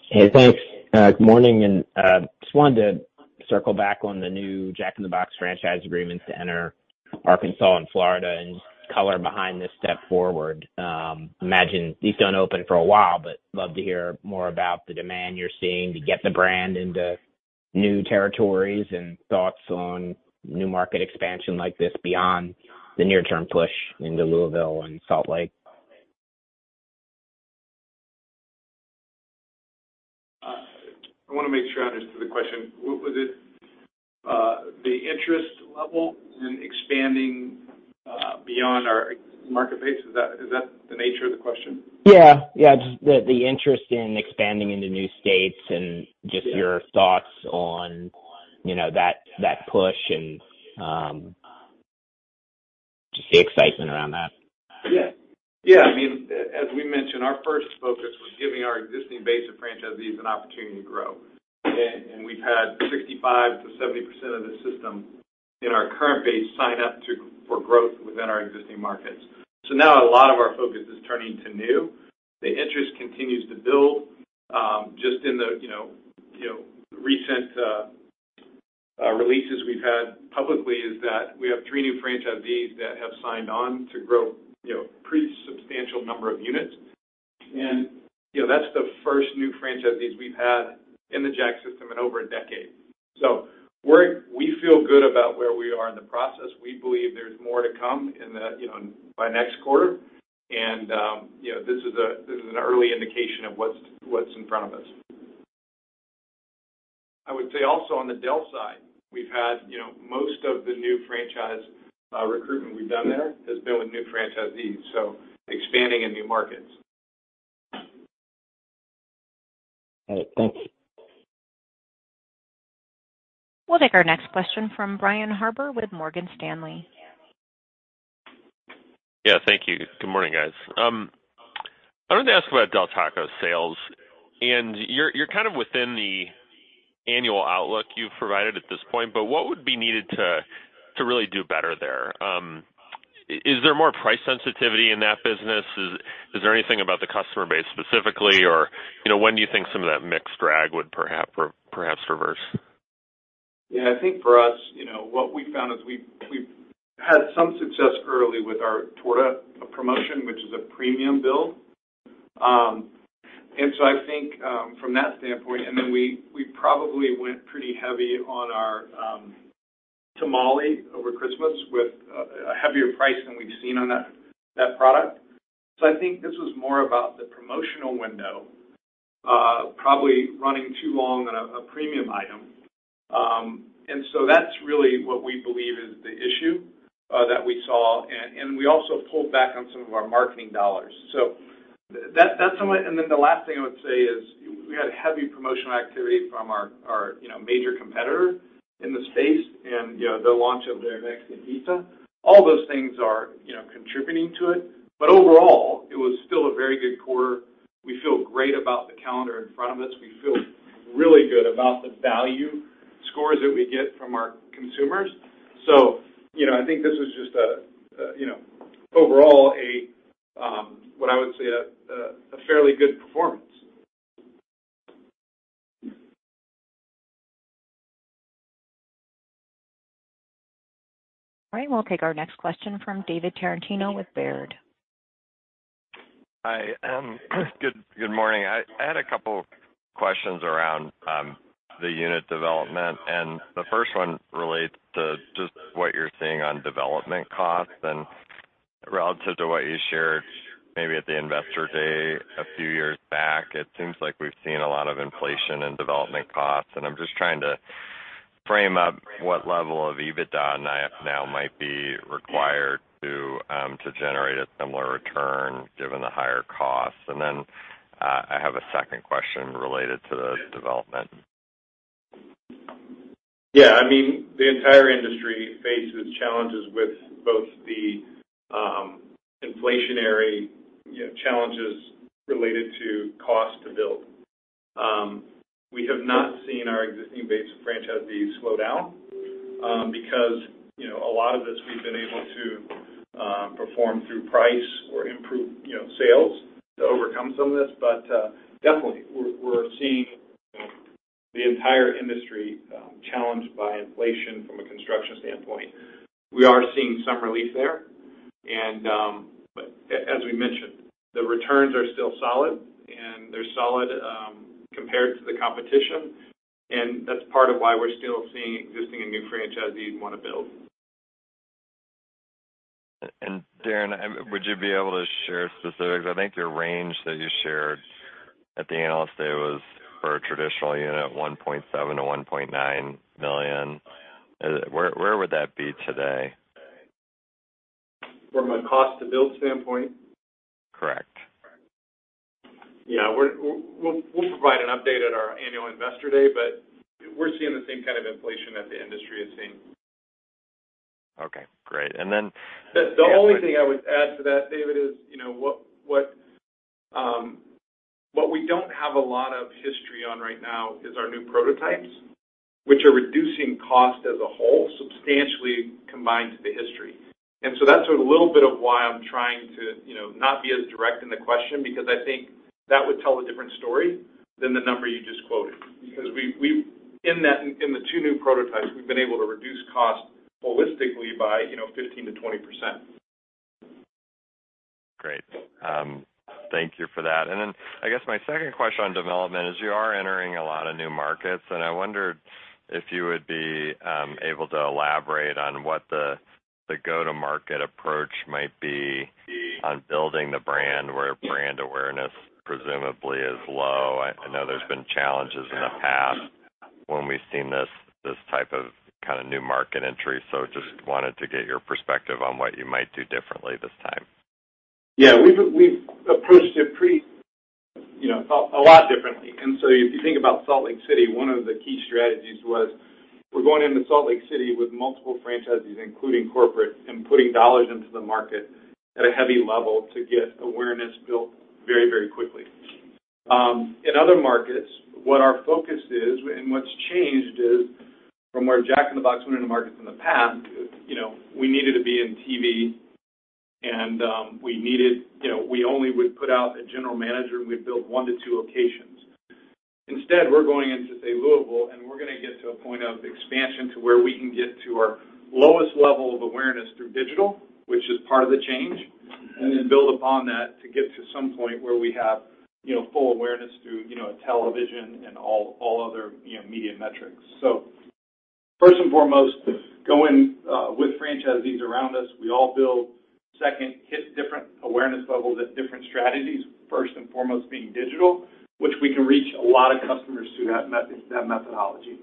Hey, thanks. Good morning, just wanted to circle back on the new Jack in the Box franchise agreements to enter Arkansas and Florida, and color behind this step forward. Imagine these don't open for a while, love to hear more about the demand you're seeing to get the brand into new territories and thoughts on new market expansion like this beyond the near term push into Louisville and Salt Lake. I wanna make sure I understood the question. Was it the interest level in expanding beyond our market base? Is that the nature of the question? Yeah. Just the interest in expanding into new states and just your thoughts on, you know, that push and just the excitement around that. Yeah. Yeah. I mean, as we mentioned, our first focus was giving our existing base of franchisees an opportunity to grow. We've had 65% to 70% of the system in our current base sign up for growth within our existing markets. Now a lot of our focus is turning to new. The interest continues to build, just in the, you know, you know, recent releases we've had publicly is that we have 3 new franchisees that have signed on to grow, you know, pretty substantial number of units. You know, that's the first new franchisees we've had in the Jack system in over a decade. We feel good about where we are in the process. We believe there's more to come in the, you know, by next quarter. You know, this is an early indication of what's in front of us. I would say also on the Del side, we've had, you know, most of the new franchise recruitment we've done there has been with new franchisees, so expanding in new markets. All right. Thanks. We'll take our next question from Brian Harbour with Morgan Stanley. Yeah. Thank you. Good morning, guys. I wanted to ask about Del Taco sales. You're, you're kind of within the annual outlook you've provided at this point, but what would be needed to really do better there? Is there more price sensitivity in that business? Is there anything about the customer base specifically? Or, you know, when do you think some of that mix drag would perhaps reverse? Yeah. I think for us, you know, what we found is we've had some success early with our torta promotion, which is a premium bill. I think from that standpoint, we probably went pretty heavy on our tamale over Christmas with a heavier price than we've seen on that product. I think this was more about the promotional window, probably running too long on a premium item. That's really what we believe is the issue that we saw. We also pulled back on some of our marketing dollars. That's some of it. The last thing I would say is we had heavy promotional activity from our, you know, major competitor in the space and, you know, the launch of their Mexican Pizza. All those things are, you know, contributing to it. Overall, it was still a very good quarter. We feel great about the calendar in front of us. We feel really good about the value scores that we get from our consumers. You know, I think this was just a, you know, overall a, what I would say a fairly good performance. All right. We'll take our next question from David Tarantino with Baird. Hi. Good morning. I had a couple questions around the unit development. The first one relates to just what you're seeing on development costs. Relative to what you shared maybe at the Investor Day a few years back, it seems like we've seen a lot of inflation in development costs, and I'm just trying to frame up what level of EBITDA now might be required to generate a similar return given the higher costs. Then I have a second question related to the development. Yeah, I mean, the entire industry faces challenges with both the inflationary challenges related to cost to build. We have not seen our existing base of franchisees slow down because, you know, a lot of this we've been able to perform through price or improve, you know, sales to overcome some of this. Definitely we're seeing the entire industry challenged by inflation from a construction standpoint. We are seeing some relief there. As we mentioned, the returns are still solid, and they're solid compared to the competition, and that's part of why we're still seeing existing and new franchisees want to build. Darin, would you be able to share specifics? I think the range that you shared at the Analyst Day was for a traditional unit, $1.7 million-$1.9 million. Where would that be today? From a cost to build standpoint? Correct. Yeah. We'll provide an update at our annual Investor Day, but we're seeing the same kind of inflation that the industry is seeing. Okay, great. The only thing I would add to that, David, is, you know, what we don't have a lot of history on right now is our new prototypes, which are reducing cost as a whole, substantially combined to the history. That's a little bit of why I'm trying to, you know, not be as direct in the question because I think that would tell a different story than the number you just quoted. We In the two new prototypes, we've been able to reduce cost holistically by, you know, 15%-20%. Great. Thank you for that. I guess my second question on development is you are entering a lot of new markets. I wondered if you would be able to elaborate on what the go-to-market approach might be on building the brand where brand awareness presumably is low. I know there's been challenges in the past when we've seen this type of kind of new market entry. Just wanted to get your perspective on what you might do differently this time. Yeah, we've approached it pretty, you know, a lot differently. If you think about Salt Lake City, one of the key strategies was we're going into Salt Lake City with multiple franchisees, including corporate, and putting $ into the market at a heavy level to get awareness built very, very quickly. In other markets, what our focus is and what's changed is from where Jack in the Box went into markets in the past, you know, we needed to be in TV, and, you know, we only would put out a general manager, and we'd build 1 to 2 locations. Instead, we're going into, say, Louisville, and we're gonna get to a point of expansion to where we can get to our lowest level of awareness through digital, which is part of the change, and then build upon that to get to some point where we have, you know, full awareness through, you know, television and all other, you know, media metrics. First and foremost, go in with franchisees around us. We all build second hit different awareness levels at different strategies, first and foremost being digital, which we can reach a lot of customers through that methodology.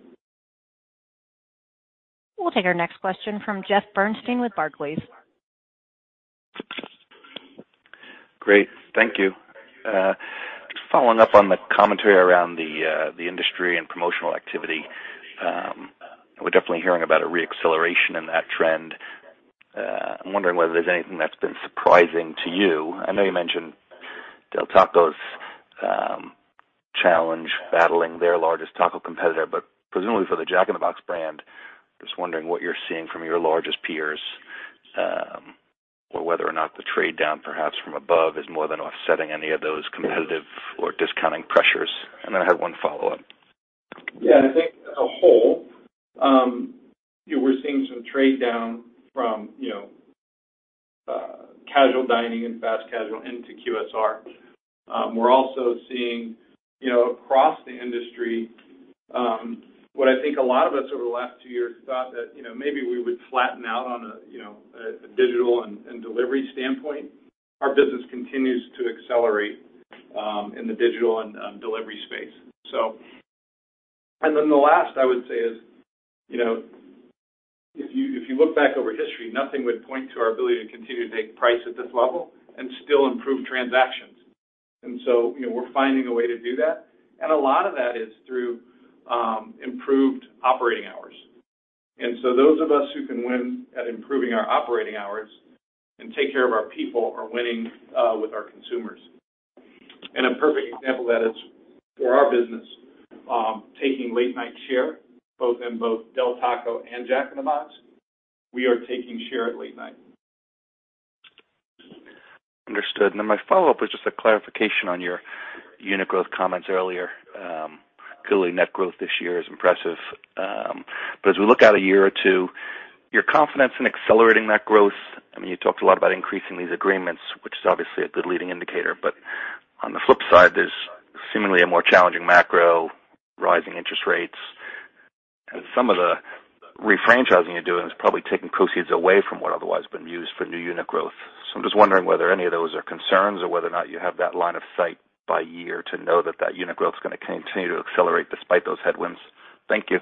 We'll take our next question from Jeff Bernstein with Barclays. Great. Thank you. Just following up on the commentary around the industry and promotional activity, we're definitely hearing about a re-acceleration in that trend. I'm wondering whether there's anything that's been surprising to you. I know you mentioned Del Taco's challenge battling their largest taco competitor, but presumably for the Jack in the Box brand, just wondering what you're seeing from your largest peers, or whether or not the trade down perhaps from above is more than offsetting any of those competitive or discounting pressures? Then I had one follow-up. Yeah. I think as a whole, we're seeing some trade down from, you know, casual dining and fast casual into QSR. We're also seeing, you know, across the industry, what I think a lot of us over the last two years thought that, you know, maybe we would flatten out on a, you know, a digital and delivery standpoint. Our business continues to accelerate in the digital and delivery space. And then the last I would say is, you know, if you look back over history, nothing would point to our ability to continue to take price at this level and still improve transactions. We're finding a way to do that, and a lot of that is through improved operating hours. Those of us who can win at improving our operating hours and take care of our people are winning with our consumers. A perfect example of that is for our business, taking late night share, both in both Del Taco and Jack in the Box, we are taking share at late night. Understood. My follow-up was just a clarification on your unit growth comments earlier. Clearly, net growth this year is impressive. As we look out a year or two, your confidence in accelerating that growth, I mean, you talked a lot about increasing these agreements, which is obviously a good leading indicator. On the flip side, there's seemingly a more challenging macro, rising interest rates. Some of the refranchising you're doing is probably taking proceeds away from what otherwise been used for new unit growth. I'm just wondering whether any of those are concerns or whether or not you have that line of sight by year to know that that unit growth is gonna continue to accelerate despite those headwinds. Thank you.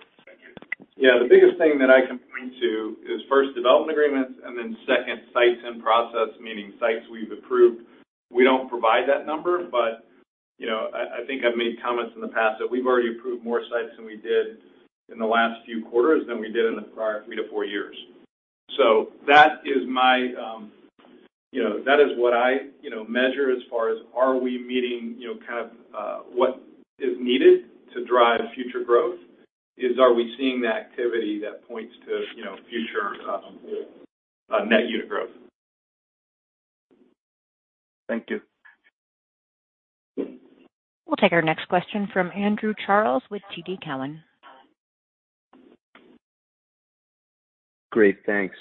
The biggest thing that I can point to is first development agreements, and then second sites in process, meaning sites we've approved. We don't provide that number, but, you know, I think I've made comments in the past that we've already approved more sites than we did in the last few quarters than we did in the prior 3 to 4 years. That is my, you know, that is what I, you know, measure as far as are we meeting, you know, kind of, what is needed to drive future growth, is are we seeing the activity that points to, you know, future, net unit growth. Thank you. We'll take our next question from Andrew Charles with TD Cowen. Great, thanks.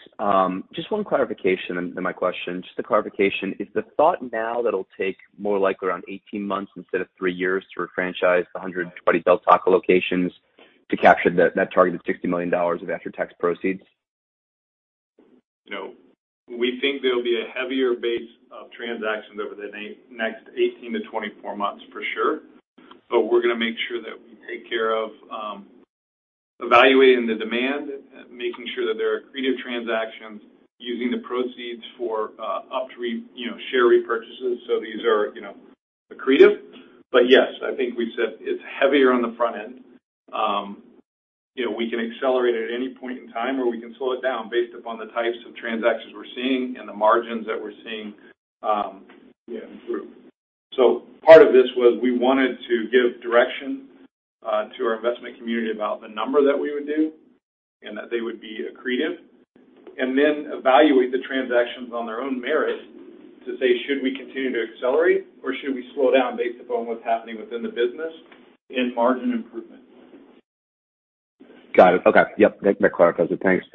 Just one clarification in my question. Just a clarification. Is the thought now that it'll take more likely around 18 months instead of 3 years to refranchise the 100 Del Taco locations to capture that target of $60 million of after-tax proceeds? You know, we think there'll be a heavier base of transactions over the next 18-24 months for sure, but we're gonna make sure that we take care of evaluating the demand, making sure that there are accretive transactions, using the proceeds for up to, you know, share repurchases. These are, you know, accretive. Yes, I think we've said it's heavier on the front end. You know, we can accelerate at any point in time, or we can slow it down based upon the types of transactions we're seeing and the margins that we're seeing, yeah, improve. Part of this was we wanted to give direction to our investment community about the number that we would do and that they would be accretive, and then evaluate the transactions on their own merit to say, should we continue to accelerate, or should we slow down based upon what's happening within the business and margin improvement? Got it. Okay. Yep. That clarifies it. Thanks.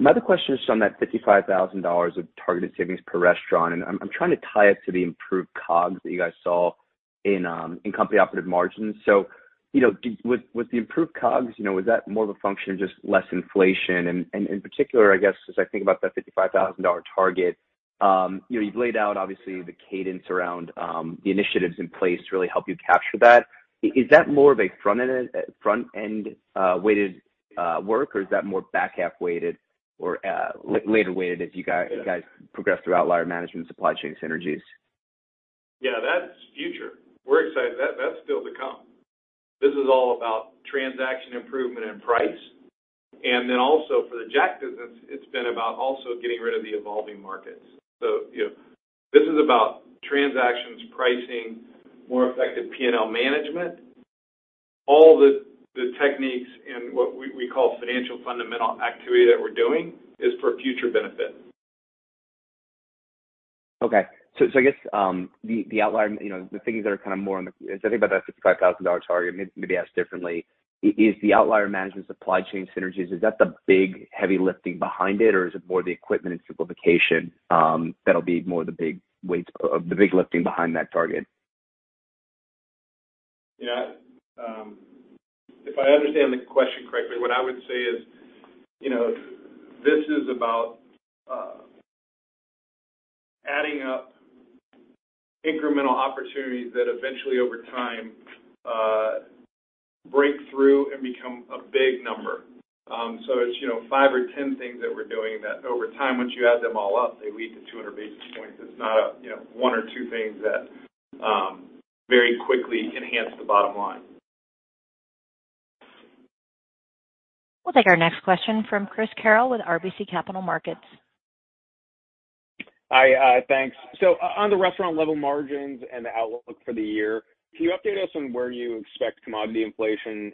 My other question is just on that $55,000 of targeted savings per restaurant, and I'm trying to tie it to the improved COGS that you guys saw in company operative margins. You know, with the improved COGS, you know, was that more of a function of just less inflation? In particular, I guess, as I think about that $55,000 target, you know, you've laid out obviously the cadence around the initiatives in place to really help you capture that. Is that more of a front-end weighted work, or is that more back half weighted or later weighted as you guys progress through outlier management supply chain synergies? Yeah, that's future. We're excited. That's still to come. This is all about transaction improvement and price. Also for the Jack business, it's been about also getting rid of the evolving markets. You know, this is about transactions, pricing, more effective P&L management. All the techniques and what we call financial fundamental activity that we're doing is for future benefit. I guess, the outlier, you know. As I think about that $55,000 target, maybe ask differently. Is the outlier management supply chain synergies, is that the big heavy lifting behind it, or is it more the equipment and simplification, that'll be more the big lifting behind that target? Yeah. If I understand the question correctly, what I would say is, you know, this is about adding up incremental opportunities that eventually over time break through and become a big number. It's, you know, 5 or 10 things that we're doing that over time, once you add them all up, they lead to 200 basis points. It's not, you know, 1 or 2 things that very quickly enhance the bottom line. We'll take our next question from Chris Carril with RBC Capital Markets. Hi. Thanks. On the restaurant level margins and the outlook for the year, can you update us on where you expect commodity inflation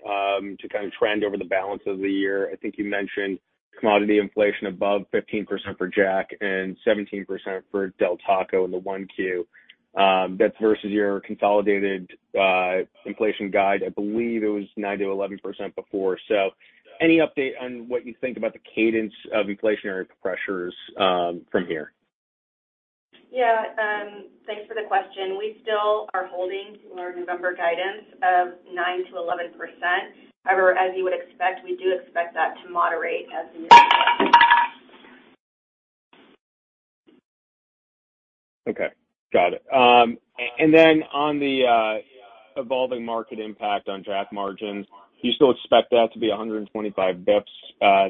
to kind of trend over the balance of the year? I think you mentioned commodity inflation above 15% for Jack and 17% for Del Taco in the Q1. That's versus your consolidated inflation guide. I believe it was 9%-11% before. Any update on what you think about the cadence of inflationary pressures from here? Thanks for the question. We still are holding to our November guidance of 9% to 11%. However, as you would expect, we do expect that to moderate as the year progresses. Okay. Got it. On the evolving market impact on Jack margins, do you still expect that to be 125 basis points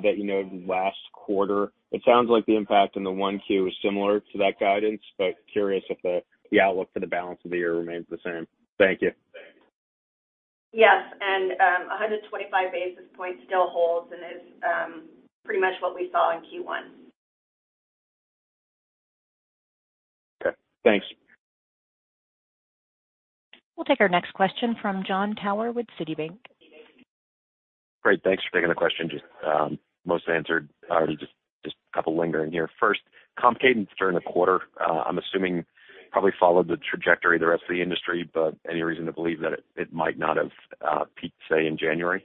that you noted last quarter? It sounds like the impact in the 1Q is similar to that guidance, but curious if the outlook for the balance of the year remains the same. Thank you. Yes. 125 basis points still holds and is pretty much what we saw in Q1. Okay. Thanks. We'll take our next question from Jon Tower with Citi. Great. Thanks for taking the question. Just, most answered already. Just a couple lingering here. First, comp cadence during the quarter, I'm assuming probably followed the trajectory of the rest of the industry, any reason to believe that it might not have peaked, say, in January?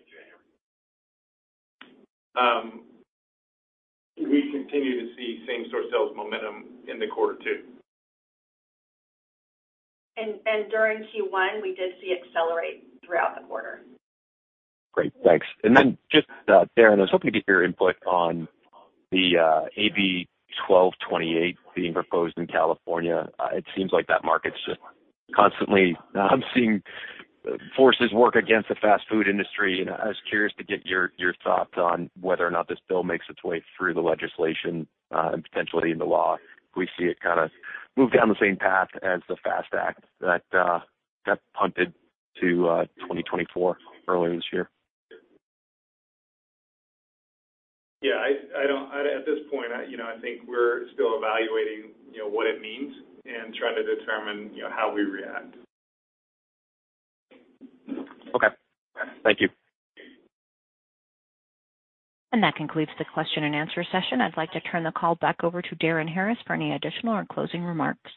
We continue to see same-store sales momentum in the quarter two. During Q1, we did see it accelerate throughout the quarter. Great. Thanks. Just, Darin, I was hoping to get your input on the AB 1228 being proposed in California. It seems like that market's just constantly seeing forces work against the fast food industry, and I was curious to get your thoughts on whether or not this bill makes its way through the legislation and potentially into law. We see it kinda move down the sale path as the FAST Act that got punted to 2024 earlier this year. Yeah, at this point, I, you know, I think we're still evaluating, you know, what it means and trying to determine, you know, how we react. Okay. Thank you. That concludes the question and answer session. I'd like to turn the call back over to Darin Harris for any additional or closing remarks.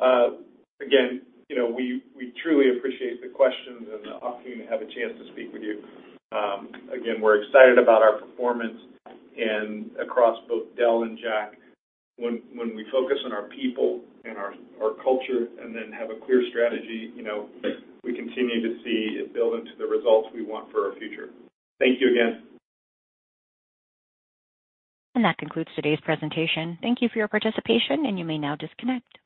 Again, you know, we truly appreciate the questions and the opportunity to have a chance to speak with you. Again, we're excited about our performance across both Del and Jack. When we focus on our people and our culture and then have a clear strategy, you know, we continue to see it build into the results we want for our future. Thank you again. That concludes today's presentation. Thank you for your participation, and you may now disconnect.